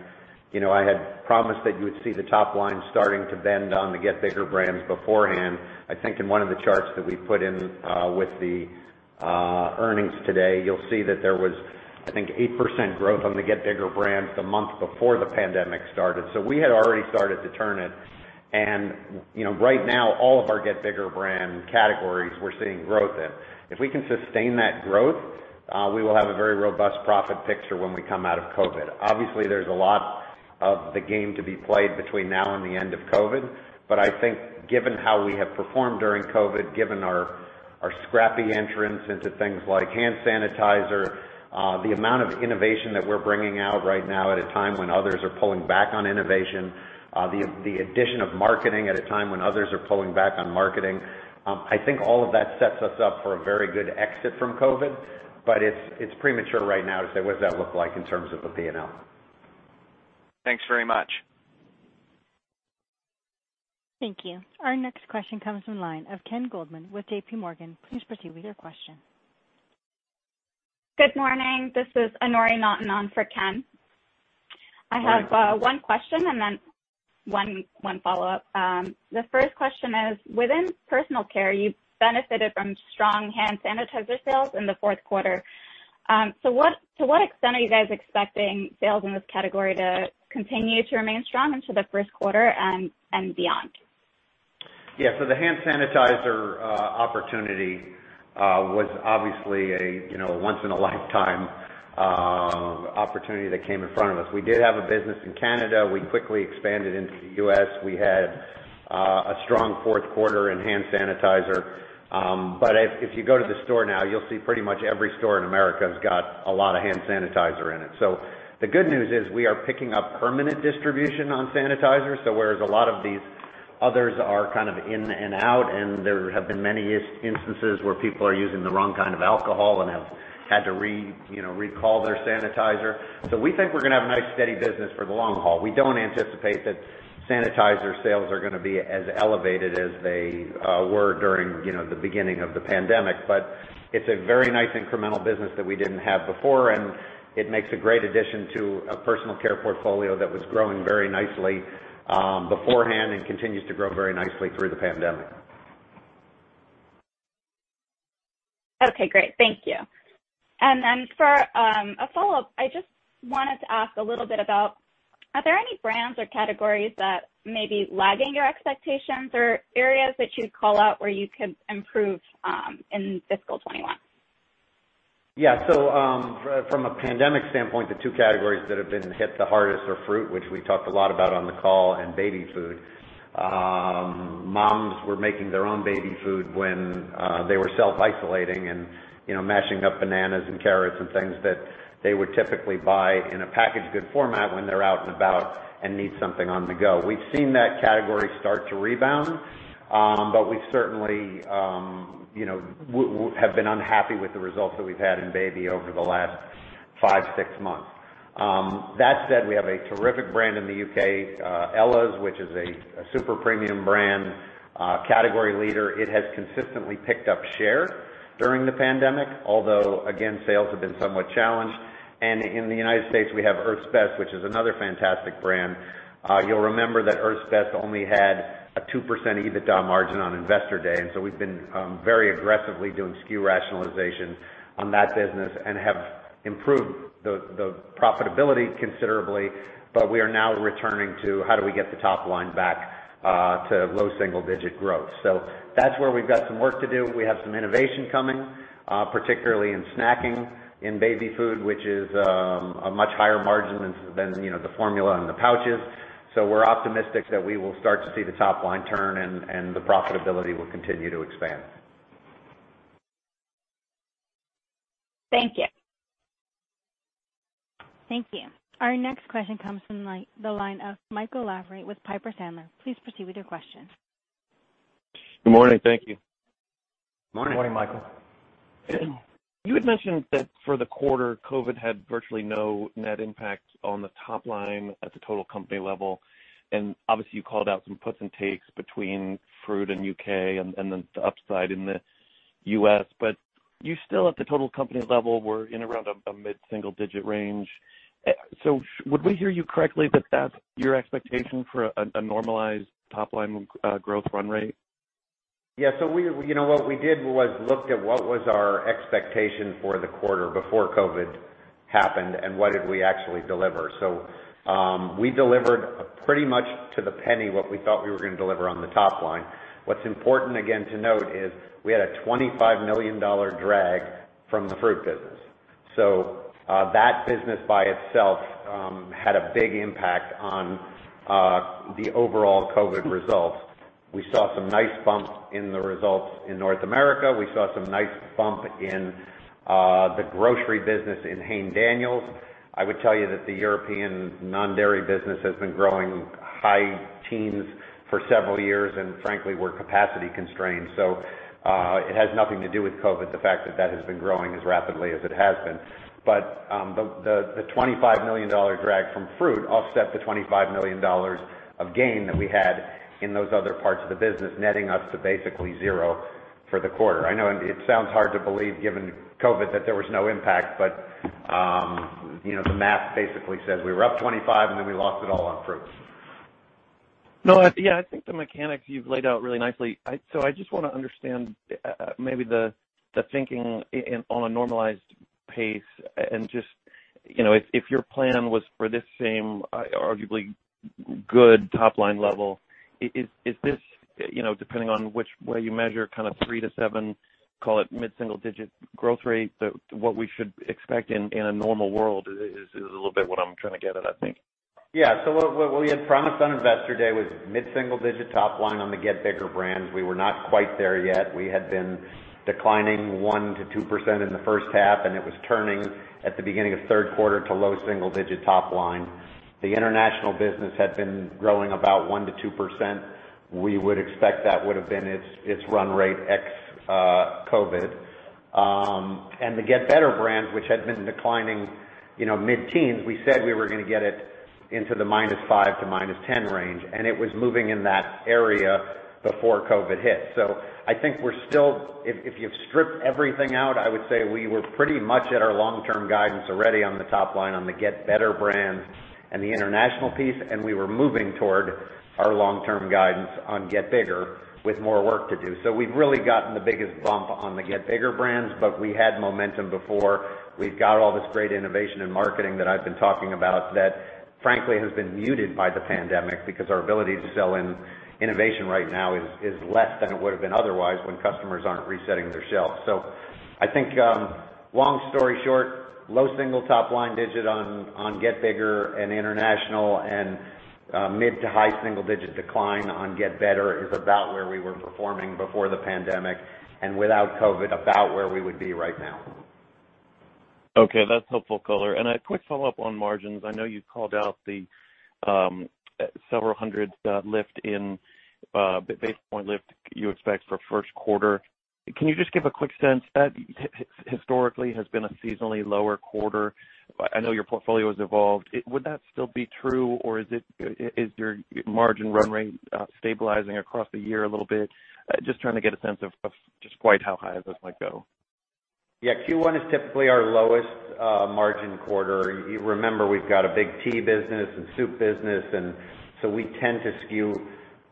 You know, I had promised that you would see the top line starting to bend on the Get Bigger brands beforehand. I think in one of the charts that we put in with the earnings today, you'll see that there was, I think, 8% growth on the Get Bigger brands the month before the pandemic started. We had already started to turn it. Right now, all of our Get Bigger brand categories, we're seeing growth in. If we can sustain that growth, we will have a very robust profit picture when we come out of COVID. Obviously, there's a lot of the game to be played between now and the end of COVID, but I think given how we have performed during COVID, given our scrappy entrance into things like hand sanitizer, the amount of innovation that we're bringing out right now at a time when others are pulling back on innovation, the addition of marketing at a time when others are pulling back on marketing. I think all of that sets us up for a very good exit from COVID, but it's premature right now to say what does that look like in terms of a P&L. Thanks very much. Thank you. Our next question comes from the line of Ken Goldman with JPMorgan. Please proceed with your question. Good morning. This is Anoori Naughton for Ken. I have one question and then one follow-up. The first question is, within personal care, you benefited from strong hand sanitizer sales in the fourth quarter. To what extent are you guys expecting sales in this category to continue to remain strong into the first quarter and beyond? The hand sanitizer opportunity was obviously a once in a lifetime opportunity that came in front of us. We did have a business in Canada. We quickly expanded into the U.S. We had a strong fourth quarter in hand sanitizer. If you go to the store now, you'll see pretty much every store in America has got a lot of hand sanitizer in it. The good news is we are picking up permanent distribution on sanitizer. Whereas a lot of these others are in and out, and there have been many instances where people are using the wrong kind of alcohol and have had to recall their sanitizer. We think we're going to have a nice steady business for the long haul. We don't anticipate that sanitizer sales are going to be as elevated as they were during the beginning of the pandemic. It's a very nice incremental business that we didn't have before, and it makes a great addition to a personal care portfolio that was growing very nicely beforehand and continues to grow very nicely through the pandemic. Okay, great. Thank you. For a follow-up, I just wanted to ask a little bit about, are there any brands or categories that may be lagging your expectations, or areas that you'd call out where you could improve in fiscal 2021? Yeah, so from a pandemic standpoint, the two categories that have been hit the hardest are fruit, which we talked a lot about on the call, and baby food. Moms were making their own baby food when they were self-isolating and mashing up bananas and carrots and things that they would typically buy in a packaged good format when they're out and about and need something on the go. We've seen that category start to rebound. We certainly have been unhappy with the results that we've had in baby over the last five, six months. That said, we have a terrific brand in the U.K., Ella's, which is a super premium brand, category leader. It has consistently picked up share during the pandemic, although, again, sales have been somewhat challenged. In the United States, we have Earth's Best, which is another fantastic brand. You'll remember that Earth's Best only had a 2% EBITDA margin on Investor Day. We've been very aggressively doing SKU rationalization on that business and have improved the profitability considerably. We are now returning to how do we get the top line back to low single-digit growth. That's where we've got some work to do. We have some innovation coming, particularly in snacking in baby food, which is a much higher margin than the formula and the pouches. We're optimistic that we will start to see the top-line turn and the profitability will continue to expand. Thank you. Thank you. Our next question comes from the line of Michael Lavery with Piper Sandler. Please proceed with your question. Good morning. Thank you. Morning. Morning, Michael. You had mentioned that for the quarter, COVID had virtually no net impact on the top line at the total company level. Obviously, you called out some puts and takes between fruit and U.K. and then the upside in the U.S. You still at the total company level were in around a mid-single digit range. Would we hear you correctly that that's your expectation for a normalized top-line growth run rate? Yeah, so we, you know, what we did was looked at what was our expectation for the quarter before COVID happened and what did we actually deliver. We delivered pretty much to the penny what we thought we were going to deliver on the top line. What's important again to note is we had a $25 million drag from the fruit business. That business by itself had a big impact on the overall COVID results. We saw some nice bumps in the results in North America. We saw some nice bump in the grocery business in Hain Daniels. I would tell you that the European non-dairy business has been growing high teens for several years, and frankly, we're capacity constrained. It has nothing to do with COVID, the fact that that has been growing as rapidly as it has been. The $25 million drag from fruit offset the $25 million of gain that we had in those other parts of the business, netting us to basically zero for the quarter. I know it sounds hard to believe given COVID that there was no impact, but the math basically says we were up 25 and then we lost it all on fruits. No, yeah. I think the mechanics you've laid out really nicely. I just want to understand maybe the thinking on a normalized pace and just if your plan was for this same arguably good top-line level, is this, depending on which way you measure, kind of three to seven, call it mid-single digit growth rate, what we should expect in a normal world is a little bit what I'm trying to get at, I think. Yeah. What we had promised on Investor Day was mid-single digit top line on the Get Bigger brands. We were not quite there yet. We had been declining 1%-2% in the first half, and it was turning at the beginning of third quarter to low single digit top line. The International business had been growing about 1%-2%. We would expect that would've been its run rate ex-COVID. The Get Better brands, which had been declining mid-teens, we said we were going to get it into the -5 to -10 range, and it was moving in that area before COVID hit. I think we're still, if you've stripped everything out, I would say we were pretty much at our long-term guidance already on the top line on the Get Better brands and the international piece, and we were moving toward our long-term guidance on Get Bigger with more work to do. We've really gotten the biggest bump on the Get Bigger brands, we had momentum before. We've got all this great innovation and marketing that I've been talking about that frankly has been muted by the pandemic because our ability to sell in innovation right now is less than it would've been otherwise when customers aren't resetting their shelves. I think, long story short, low single top line digit on Get Bigger and international and mid- to high- single-digit decline on Get Better is about where we were performing before the pandemic and without COVID, about where we would be right now. Okay. That's helpful color. A quick follow-up on margins. I know you called out the several hundred basis point lift you expect for first quarter. Can you just give a quick sense? That historically has been a seasonally lower quarter. I know your portfolio has evolved. Would that still be true, or is your margin run rate stabilizing across the year a little bit? Just trying to get a sense of just quite how high this might go. Yeah. Q1 is typically our lowest margin quarter. Remember, we've got a big tea business and soup business. We tend to skew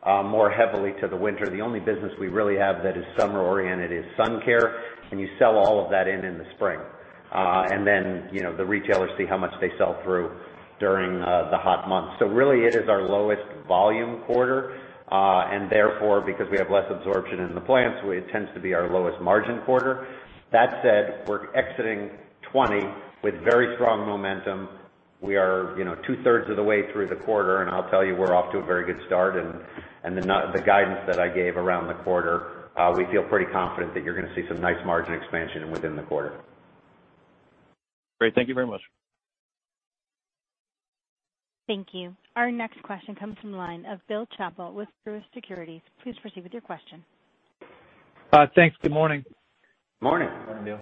more heavily to the winter. The only business we really have that is summer-oriented is sun care. You sell all of that in the spring. The retailers see how much they sell through during the hot months. Really, it is our lowest volume quarter, and therefore, because we have less absorption in the plants, it tends to be our lowest margin quarter. That said, we're exiting 2020 with very strong momentum. We are 2/3 of the way through the quarter. I'll tell you, we're off to a very good start. The guidance that I gave around the quarter, we feel pretty confident that you're going to see some nice margin expansion within the quarter. Great. Thank you very much. Thank you. Our next question comes from the line of Bill Chappell with Truist Securities. Please proceed with your question. Thanks. Good morning. Morning. Morning, Bill.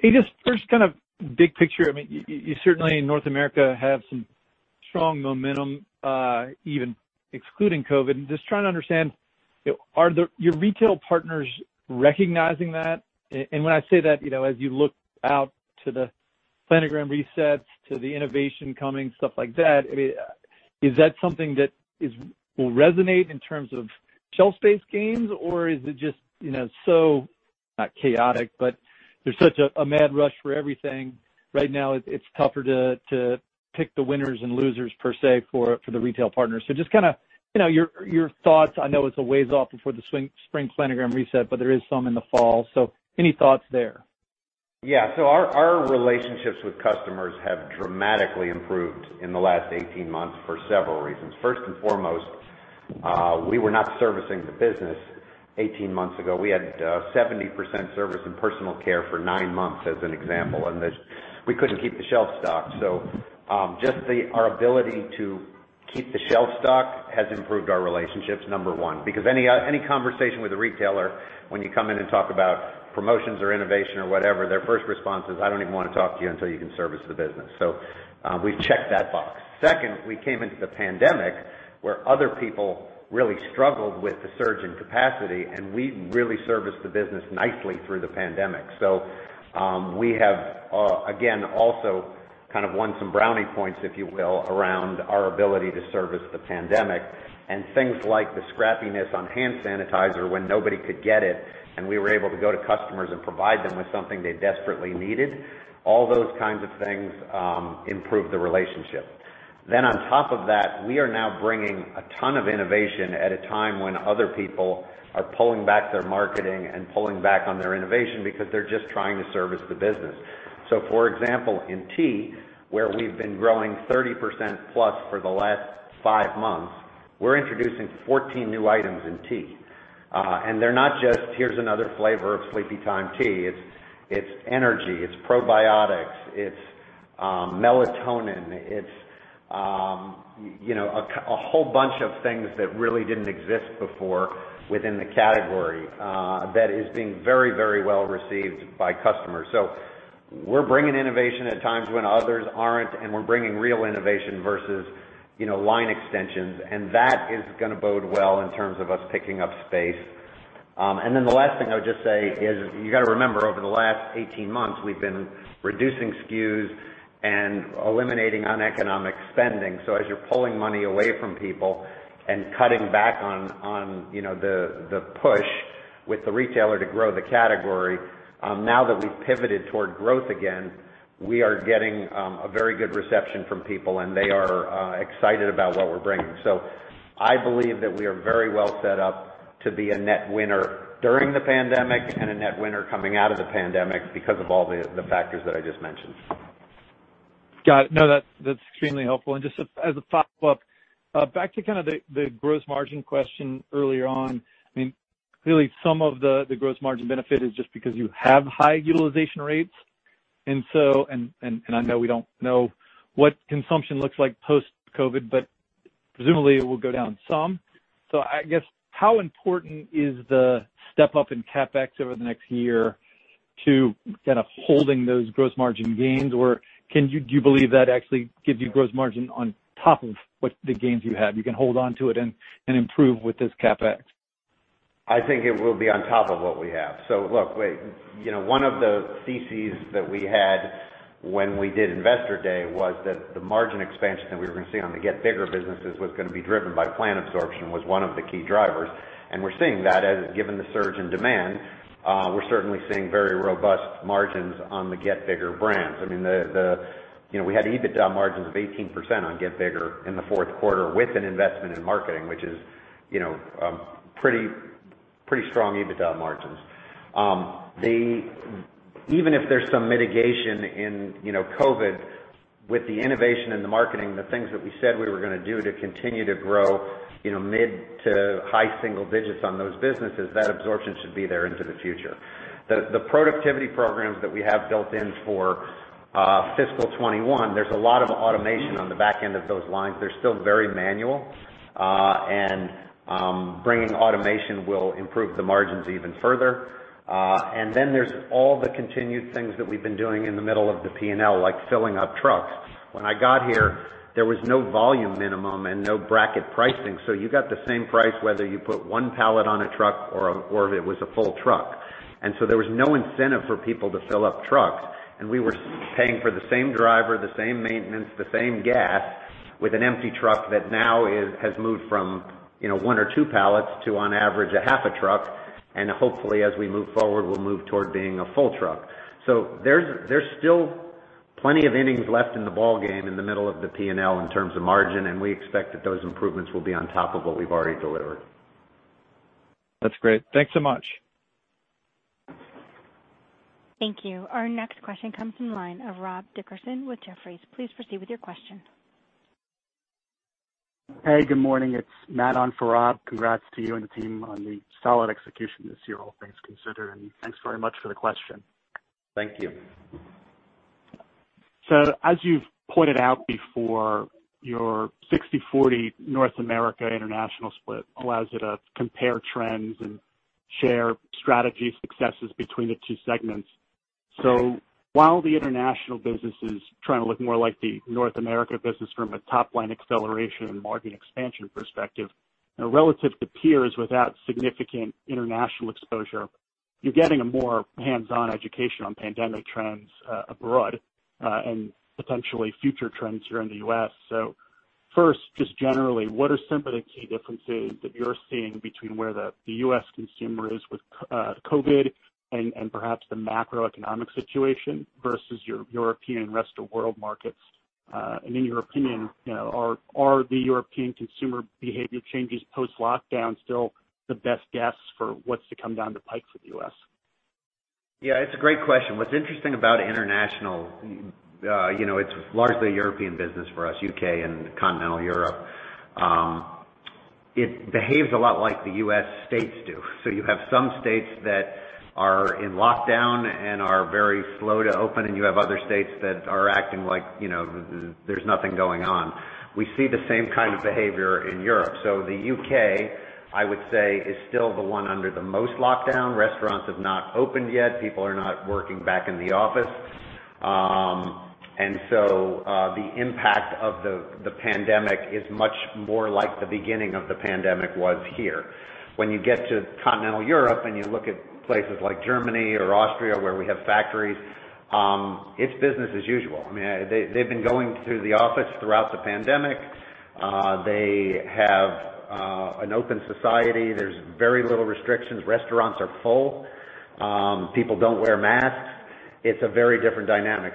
Hey, just first kind of big picture. You certainly in North America have some strong momentum, even excluding COVID. I'm just trying to understand, are your retail partners recognizing that? When I say that, as you look out to the planogram resets, to the innovation coming, stuff like that, is that something that will resonate in terms of shelf space gains, or is it just so, not chaotic, but there's such a mad rush for everything right now, it's tougher to pick the winners and losers per se for the retail partners? Just your thoughts. I know it's a ways off before the spring planogram reset, but there is some in the fall. Any thoughts there? Yeah. Our relationships with customers have dramatically improved in the last 18 months for several reasons. First and foremost, we were not servicing the business 18 months ago. We had 70% service in personal care for nine months, as an example, and we couldn't keep the shelf stocked. Just our ability to keep the shelf stocked has improved our relationships, number one. Because any conversation with a retailer, when you come in and talk about promotions or innovation or whatever, their first response is, "I don't even want to talk to you until you can service the business." We've checked that box. Second, we came into the pandemic where other people really struggled with the surge in capacity, and we really serviced the business nicely through the pandemic. We have, again, also kind of won some brownie points, if you will, around our ability to service the pandemic and things like the scrappiness on hand sanitizer when nobody could get it, and we were able to go to customers and provide them with something they desperately needed. All those kinds of things improved the relationship, then on top of that, we are now bringing a ton of innovation at a time when other people are pulling back their marketing and pulling back on their innovation because they're just trying to service the business. For example, in tea, where we've been growing 30%+ for the last five months, we're introducing 14 new items in tea. They're not just, here's another flavor of Sleepytime tea. It's energy, it's probiotics, it's melatonin. It's a whole bunch of things that really didn't exist before within the category, that is being very well received by customers. We're bringing innovation at times when others aren't, and we're bringing real innovation versus line extensions, and that is going to bode well in terms of us picking up space. The last thing I would just say is, you got to remember, over the last 18 months, we've been reducing SKUs and eliminating uneconomic spending. As you're pulling money away from people and cutting back on the push with the retailer to grow the category, now that we've pivoted toward growth again, we are getting a very good reception from people, and they are excited about what we're bringing. I believe that we are very well set up to be a net winner during the pandemic and a net winner coming out of the pandemic because of all the factors that I just mentioned. Got it. No, that's extremely helpful. Just as a follow-up, back to kind of the gross margin question earlier on. Clearly, some of the gross margin benefit is just because you have high utilization rates. I know we don't know what consumption looks like post-COVID, but presumably it will go down some. I guess, how important is the step-up in CapEx over the next year to kind of holding those gross margin gains, or do you believe that actually gives you gross margin on top of what the gains you have? You can hold onto it and improve with this CapEx. I think it will be on top of what we have. Look, one of the theses that we had when we did Investor Day was that the margin expansion that we were going to see on the Get Bigger businesses was going to be driven by plant absorption, was one of the key drivers. We're seeing that as given the surge in demand, we're certainly seeing very robust margins on the Get Bigger brands. We had EBITDA margins of 18% on Get Bigger in the fourth quarter with an investment in marketing, which is pretty strong EBITDA margins. Even if there's some mitigation in COVID. With the innovation and the marketing, the things that we said we were going to do to continue to grow mid- to high-single-digits on those businesses, that absorption should be there into the future. The productivity programs that we have built in for fiscal 2021, there's a lot of automation on the back end of those lines. They're still very manual. Bringing automation will improve the margins even further. There's all the continued things that we've been doing in the middle of the P&L, like filling up trucks. When I got here, there was no volume minimum and no bracket pricing, so you got the same price whether you put one pallet on a truck or if it was a full truck. There was no incentive for people to fill up trucks, and we were paying for the same driver, the same maintenance, the same gas with an empty truck that now has moved from one or two pallets to, on average, a half a truck. Hopefully, as we move forward, we'll move toward being a full truck. There's still plenty of innings left in the ballgame in the middle of the P&L in terms of margin, and we expect that those improvements will be on top of what we've already delivered. That's great. Thanks so much. Thank you. Our next question comes from the line of Rob Dickerson with Jefferies. Please proceed with your question. Hey, good morning. It's Matt on for Rob. Congrats to you and the team on the solid execution this year, all things considered. Thanks very much for the question. Thank you. As you've pointed out before, your 60/40 North America-international split allows you to compare trends and share strategy successes between the two segments. While the International business is trying to look more like the North America business from a top-line acceleration and margin expansion perspective, relative to peers without significant international exposure, you're getting a more hands-on education on pandemic trends abroad, and potentially future trends here in the U.S. First, just generally, what are some of the key differences that you're seeing between where the U.S. consumer is with COVID and perhaps the macroeconomic situation versus your European rest-of-world markets? In your opinion, are the European consumer behavior changes post-lockdown still the best guess for what's to come down the pike for the U.S.? It's a great question. What's interesting about international, it's largely a European business for us, U.K. and continental Europe. It behaves a lot like the U.S. states do. You have some states that are in lockdown and are very slow to open, and you have other states that are acting like there's nothing going on. We see the same kind of behavior in Europe. The U.K., I would say, is still the one under the most lockdown. Restaurants have not opened yet. People are not working back in the office. The impact of the pandemic is much more like the beginning of the pandemic was here. When you get to continental Europe and you look at places like Germany or Austria, where we have factories, it's business as usual. They've been going to the office throughout the pandemic. They have an open society. There's very little restrictions. Restaurants are full. People don't wear masks. It's a very different dynamic.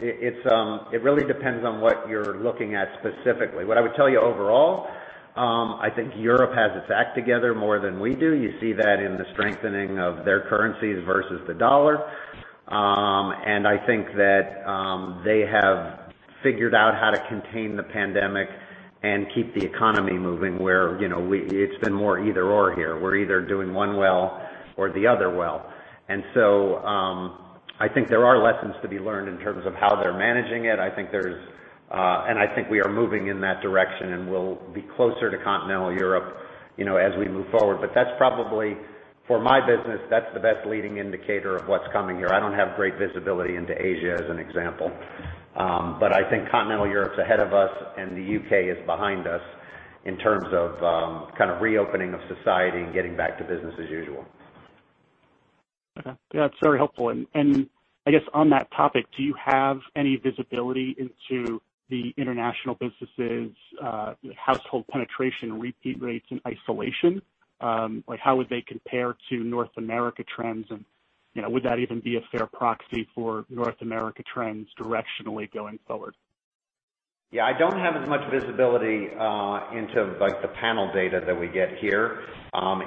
It really depends on what you're looking at specifically. What I would tell you overall, I think Europe has its act together more than we do. You see that in the strengthening of their currencies versus the dollar. I think that they have figured out how to contain the pandemic and keep the economy moving, where it's been more either/or here. We're either doing one well or the other well. I think there are lessons to be learned in terms of how they're managing it. I think we are moving in that direction, and we'll be closer to continental Europe as we move forward. That's probably, for my business, that's the best leading indicator of what's coming here. I don't have great visibility into Asia, as an example. I think continental Europe's ahead of us and the U.K. is behind us in terms of reopening of society and getting back to business as usual. Okay. Yeah, that's very helpful. I guess on that topic, do you have any visibility into the international businesses' household penetration, repeat rates, and isolation? How would they compare to North America trends, and would that even be a fair proxy for North America trends directionally going forward? Yeah, I don't have as much visibility into the panel data that we get here.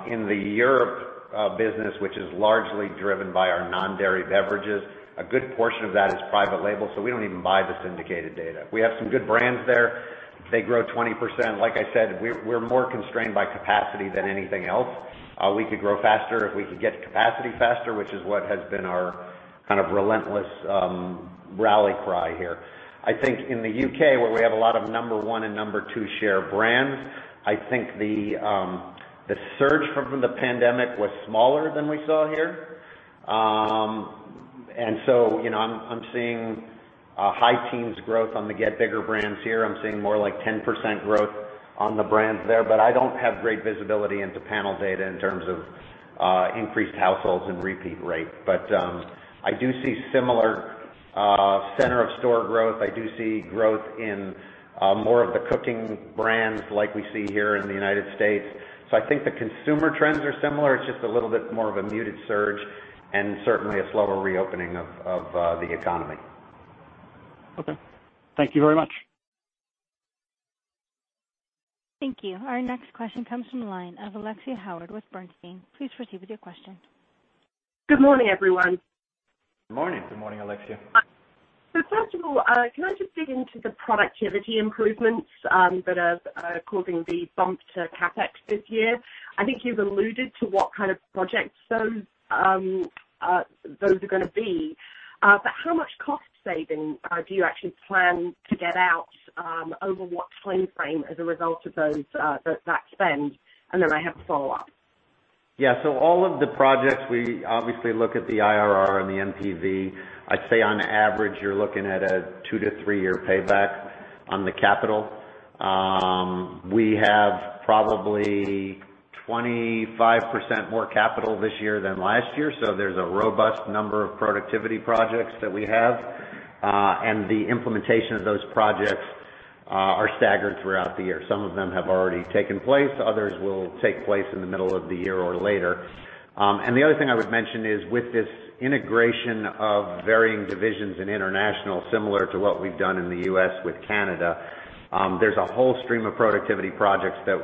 In the Europe business, which is largely driven by our non-dairy beverages, a good portion of that is private label, so we don't even buy the syndicated data. We have some good brands there. They grow 20%. Like I said, we're more constrained by capacity than anything else. We could grow faster if we could get capacity faster, which is what has been our kind of relentless rally cry here. I think in the U.K., where we have a lot of number one and number two share brands, I think the surge from the pandemic was smaller than we saw here. I'm seeing high-teens growth on the Get Bigger brands here. I'm seeing more like 10% growth on the brands there, but I don't have great visibility into panel data in terms of increased households and repeat rate. I do see similar center-of-store growth. I do see growth in more of the cooking brands like we see here in the United States. I think the consumer trends are similar. It's just a little bit more of a muted surge and certainly a slower reopening of the economy. Okay. Thank you very much. Thank you. Our next question comes from the line of Alexia Howard with Bernstein. Please proceed with your question. Good morning, everyone. Good morning. Good morning, Alexia. First of all, can I just dig into the productivity improvements that are causing the bump to CapEx this year? I think you've alluded to what kind of projects those are going to be. How much cost saving do you actually plan to get out, over what timeframe, as a result of that spend? Then I have a follow-up. Yeah. All of the projects, we obviously look at the IRR and the NPV. I'd say on average, you're looking at a two- to three-year payback on the capital. We have probably 25% more capital this year than last year, so there's a robust number of productivity projects that we have. The implementation of those projects are staggered throughout the year. Some of them have already taken place, others will take place in the middle of the year or later. The other thing I would mention is with this integration of varying divisions in international, similar to what we've done in the U.S. with Canada, there's a whole stream of productivity projects that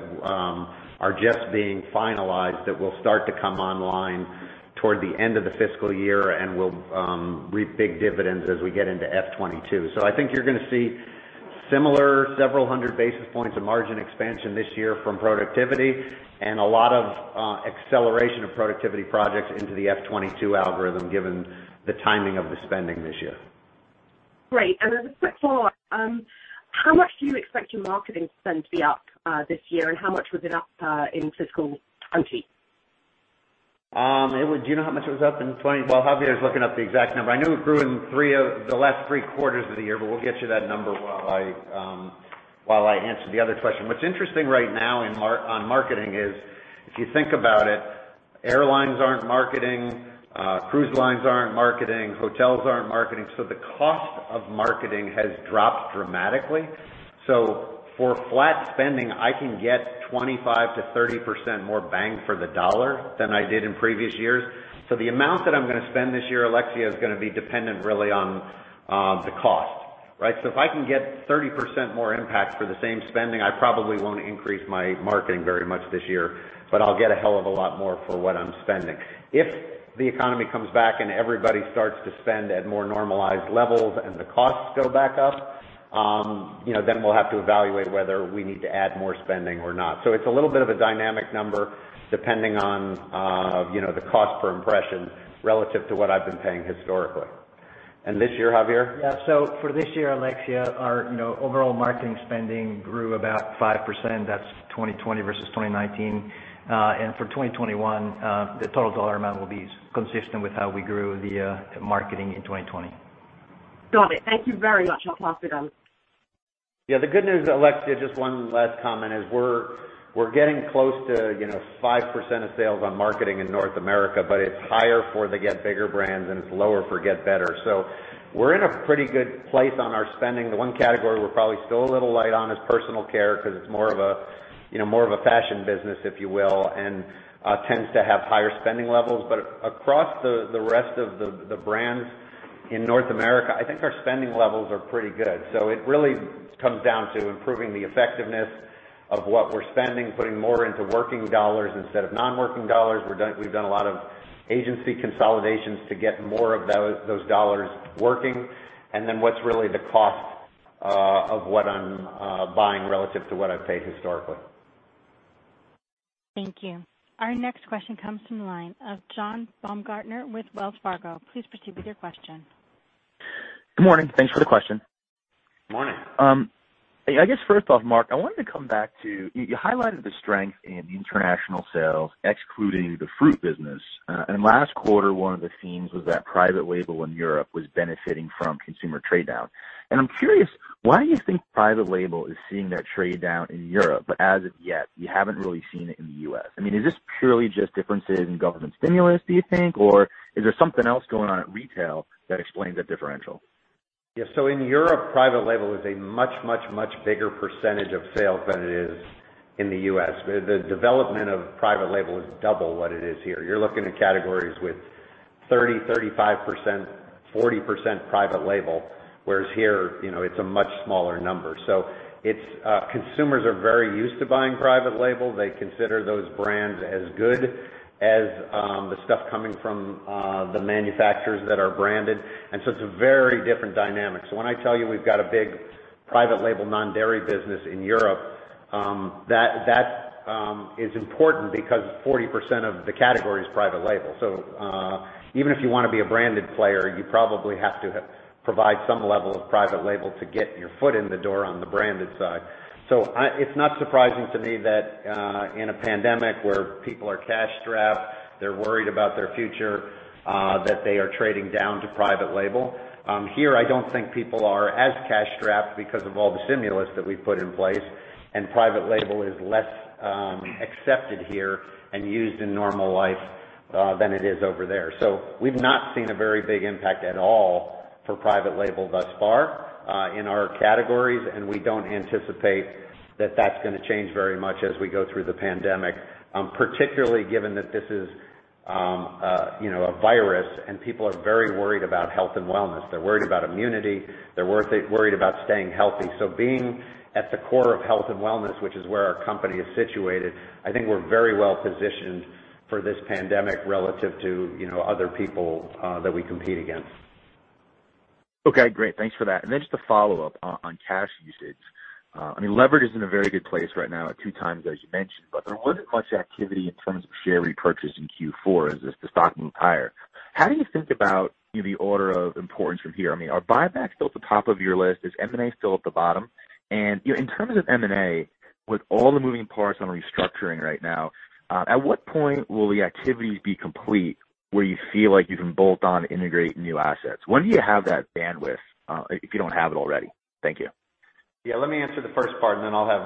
are just being finalized that will start to come online toward the end of the fiscal year and will reap big dividends as we get into FY 2022. I think you're going to see similar several hundred basis points of margin expansion this year from productivity and a lot of acceleration of productivity projects into the FY 2022 algorithm, given the timing of the spending this year. Great. As a quick follow-up, how much do you expect your marketing spend to be up this year, and how much was it up in fiscal 2020? Do you know how much it was up in 2020? While Javier is looking up the exact number, I know it grew in the last three quarters of the year, but we'll get you that number while I answer the other question. What's interesting right now on marketing is, if you think about it, airlines aren't marketing, cruise lines aren't marketing, hotels aren't marketing. The cost of marketing has dropped dramatically. For flat spending, I can get 25%-30% more bang for the dollar than I did in previous years. The amount that I'm going to spend this year, Alexia, is going to be dependent really on the cost. Right? If I can get 30% more impact for the same spending, I probably won't increase my marketing very much this year, but I'll get a hell of a lot more for what I'm spending. If the economy comes back and everybody starts to spend at more normalized levels and the costs go back up, then we'll have to evaluate whether we need to add more spending or not. It's a little bit of a dynamic number depending on the cost per impression relative to what I've been paying historically. This year, Javier? For this year, Alexia, our overall marketing spending grew about 5%. That's 2020 versus 2019. For 2021, the total dollar amount will be consistent with how we grew the marketing in 2020. Got it. Thank you very much. I'll pass it on. Yeah. The good news, Alexia, just one last comment, is we're getting close to 5% of sales on marketing in North America. It's higher for the Get Bigger brands and it's lower for Get Better. We're in a pretty good place on our spending. The one category we're probably still a little light on is personal care because it's more of a fashion business, if you will, and tends to have higher spending levels. Across the rest of the brands in North America, I think our spending levels are pretty good. It really comes down to improving the effectiveness of what we're spending, putting more into working dollars instead of non-working dollars. We've done a lot of agency consolidations to get more of those dollars working. What's really the cost of what I'm buying relative to what I've paid historically. Thank you. Our next question comes from the line of John Baumgartner with Wells Fargo. Please proceed with your question. Good morning. Thanks for the question. Morning. I guess first off, Mark, I wanted to come back to, you highlighted the strength in international sales, excluding the fruit business. Last quarter, one of the themes was that private label in Europe was benefiting from consumer trade down. I'm curious, why do you think private label is seeing that trade down in Europe, but as of yet, you haven't really seen it in the U.S.? Is this purely just differences in government stimulus, do you think, or is there something else going on at retail that explains that differential? Yeah. In Europe, private label is a much, much, much bigger percentage of sales than it is in the U.S. The development of private label is double what it is here. You're looking at categories with 30%, 35%, 40% private label, whereas here, it's a much smaller number. Consumers are very used to buying private label. They consider those brands as good as the stuff coming from the manufacturers that are branded. It's a very different dynamic. When I tell you we've got a big private label non-dairy business in Europe, that is important because 40% of the category is private label. Even if you want to be a branded player, you probably have to provide some level of private label to get your foot in the door on the branded side. It's not surprising to me that in a pandemic where people are cash-strapped, they're worried about their future, that they are trading down to private label. Here, I don't think people are as cash-strapped because of all the stimulus that we've put in place, and private label is less accepted here and used in normal life than it is over there. We've not seen a very big impact at all for private label thus far in our categories, and we don't anticipate that that's going to change very much as we go through the pandemic, particularly given that this is a virus and people are very worried about health and wellness. They're worried about immunity. They're worried about staying healthy. Being at the core of health and wellness, which is where our company is situated, I think we're very well-positioned for this pandemic relative to other people that we compete against. Okay, great, thanks for that. Just a follow-up on cash usage. Leverage is in a very good place right now at two times, as you mentioned, but there wasn't much activity in terms of share repurchase in Q4 as the stock moved higher. How do you think about the order of importance from here? Are buybacks still at the top of your list? Is M&A still at the bottom? In terms of M&A, with all the moving parts on restructuring right now, at what point will the activities be complete where you feel like you can bolt on, integrate new assets? When do you have that bandwidth, if you don't have it already? Thank you. Yeah, let me answer the first part and then I'll have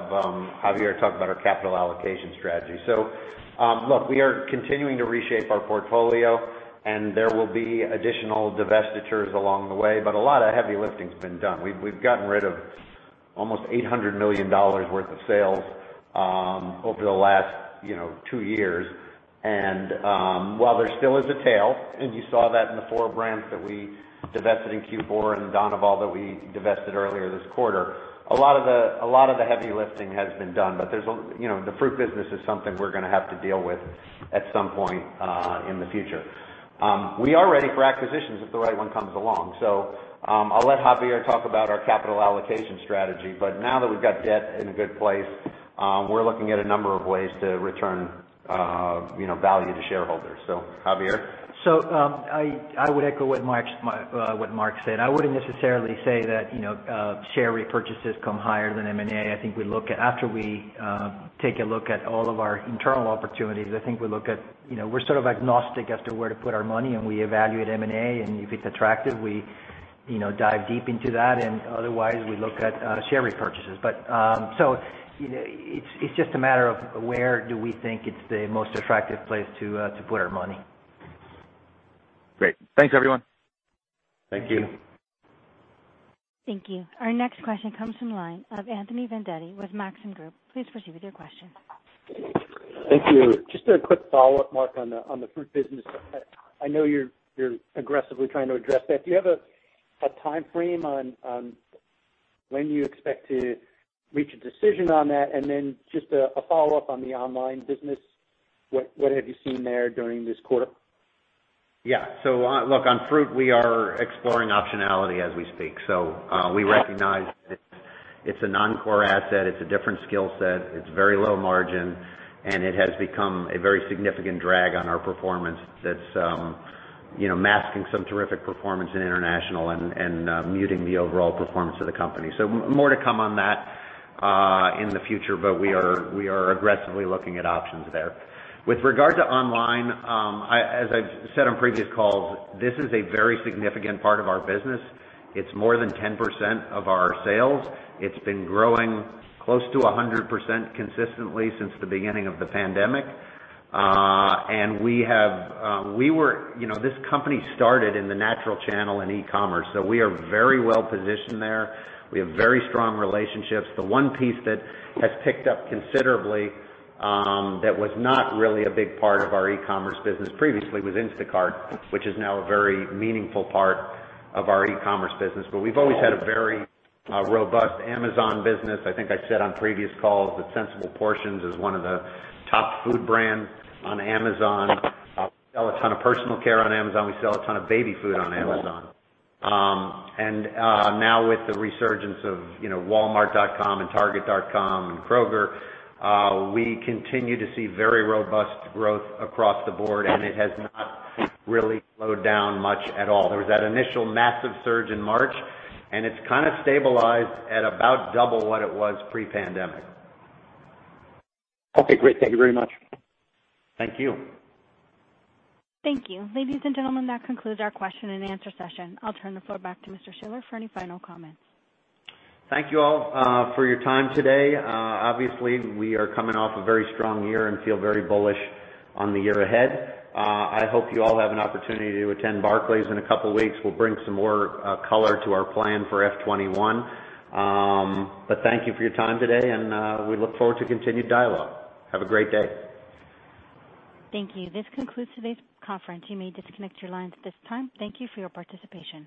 Javier talk about our capital allocation strategy. Look, we are continuing to reshape our portfolio and there will be additional divestitures along the way, but a lot of heavy lifting's been done. We've gotten rid of almost $800 million worth of sales over the last two years. While there still is a tail, and you saw that in the four brands that we divested in Q4 and Danival that we divested earlier this quarter, a lot of the heavy lifting has been done. The fruit business is something we're going to have to deal with at some point in the future. We are ready for acquisitions if the right one comes along. I'll let Javier talk about our capital allocation strategy. Now that we've got debt in a good place, we're looking at a number of ways to return value to shareholders. Javier? I would echo what Mark said. I wouldn't necessarily say that share repurchases come higher than M&A. After we take a look at all of our internal opportunities, we're sort of agnostic as to where to put our money, and we evaluate M&A, and if it's attractive, we dive deep into that. Otherwise, we look at share repurchases. It's just a matter of where do we think it's the most attractive place to put our money. Great. Thanks, everyone. Thank you. Thank you. Our next question comes from the line of Anthony Vendetti with Maxim Group. Please proceed with your question. Thank you. Just a quick follow-up, Mark, on the fruit business. I know you're aggressively trying to address that. Do you have a timeframe on when you expect to reach a decision on that? Just a follow-up on the online business. What have you seen there during this quarter? Yeah. Look, on fruit, we are exploring optionality as we speak. We recognize it's a non-core asset, it's a different skill set, it's very low margin, and it has become a very significant drag on our performance that's masking some terrific performance in international and muting the overall performance of the company. More to come on that in the future. We are aggressively looking at options there. With regard to online, as I've said on previous calls, this is a very significant part of our business. It's more than 10% of our sales. It's been growing close to 100% consistently since the beginning of the pandemic. This company started in the natural channel in e-commerce, we are very well-positioned there. We have very strong relationships. The one piece that has picked up considerably, that was not really a big part of our e-commerce business previously, was Instacart, which is now a very meaningful part of our e-commerce business. We've always had a very robust Amazon business. I think I've said on previous calls that Sensible Portions is one of the top food brands on Amazon. We sell a ton of personal care on Amazon. We sell a ton of baby food on Amazon. Now with the resurgence of Walmart.com and Target.com and Kroger, we continue to see very robust growth across the board and it has not really slowed down much at all. There was that initial massive surge in March and it's kind of stabilized at about double what it was pre-pandemic. Okay, great. Thank you very much. Thank you. Thank you. Ladies and gentlemen, that concludes our question and answer session. I will turn the floor back to Mr. Schiller for any final comments. Thank you all for your time today. Obviously, we are coming off a very strong year and feel very bullish on the year ahead. I hope you all have an opportunity to attend Barclays in a couple of weeks. We'll bring some more color to our plan for FY 2021. Thank you for your time today, and we look forward to continued dialogue. Have a great day. Thank you. This concludes today's conference. You may disconnect your lines at this time. Thank you for your participation.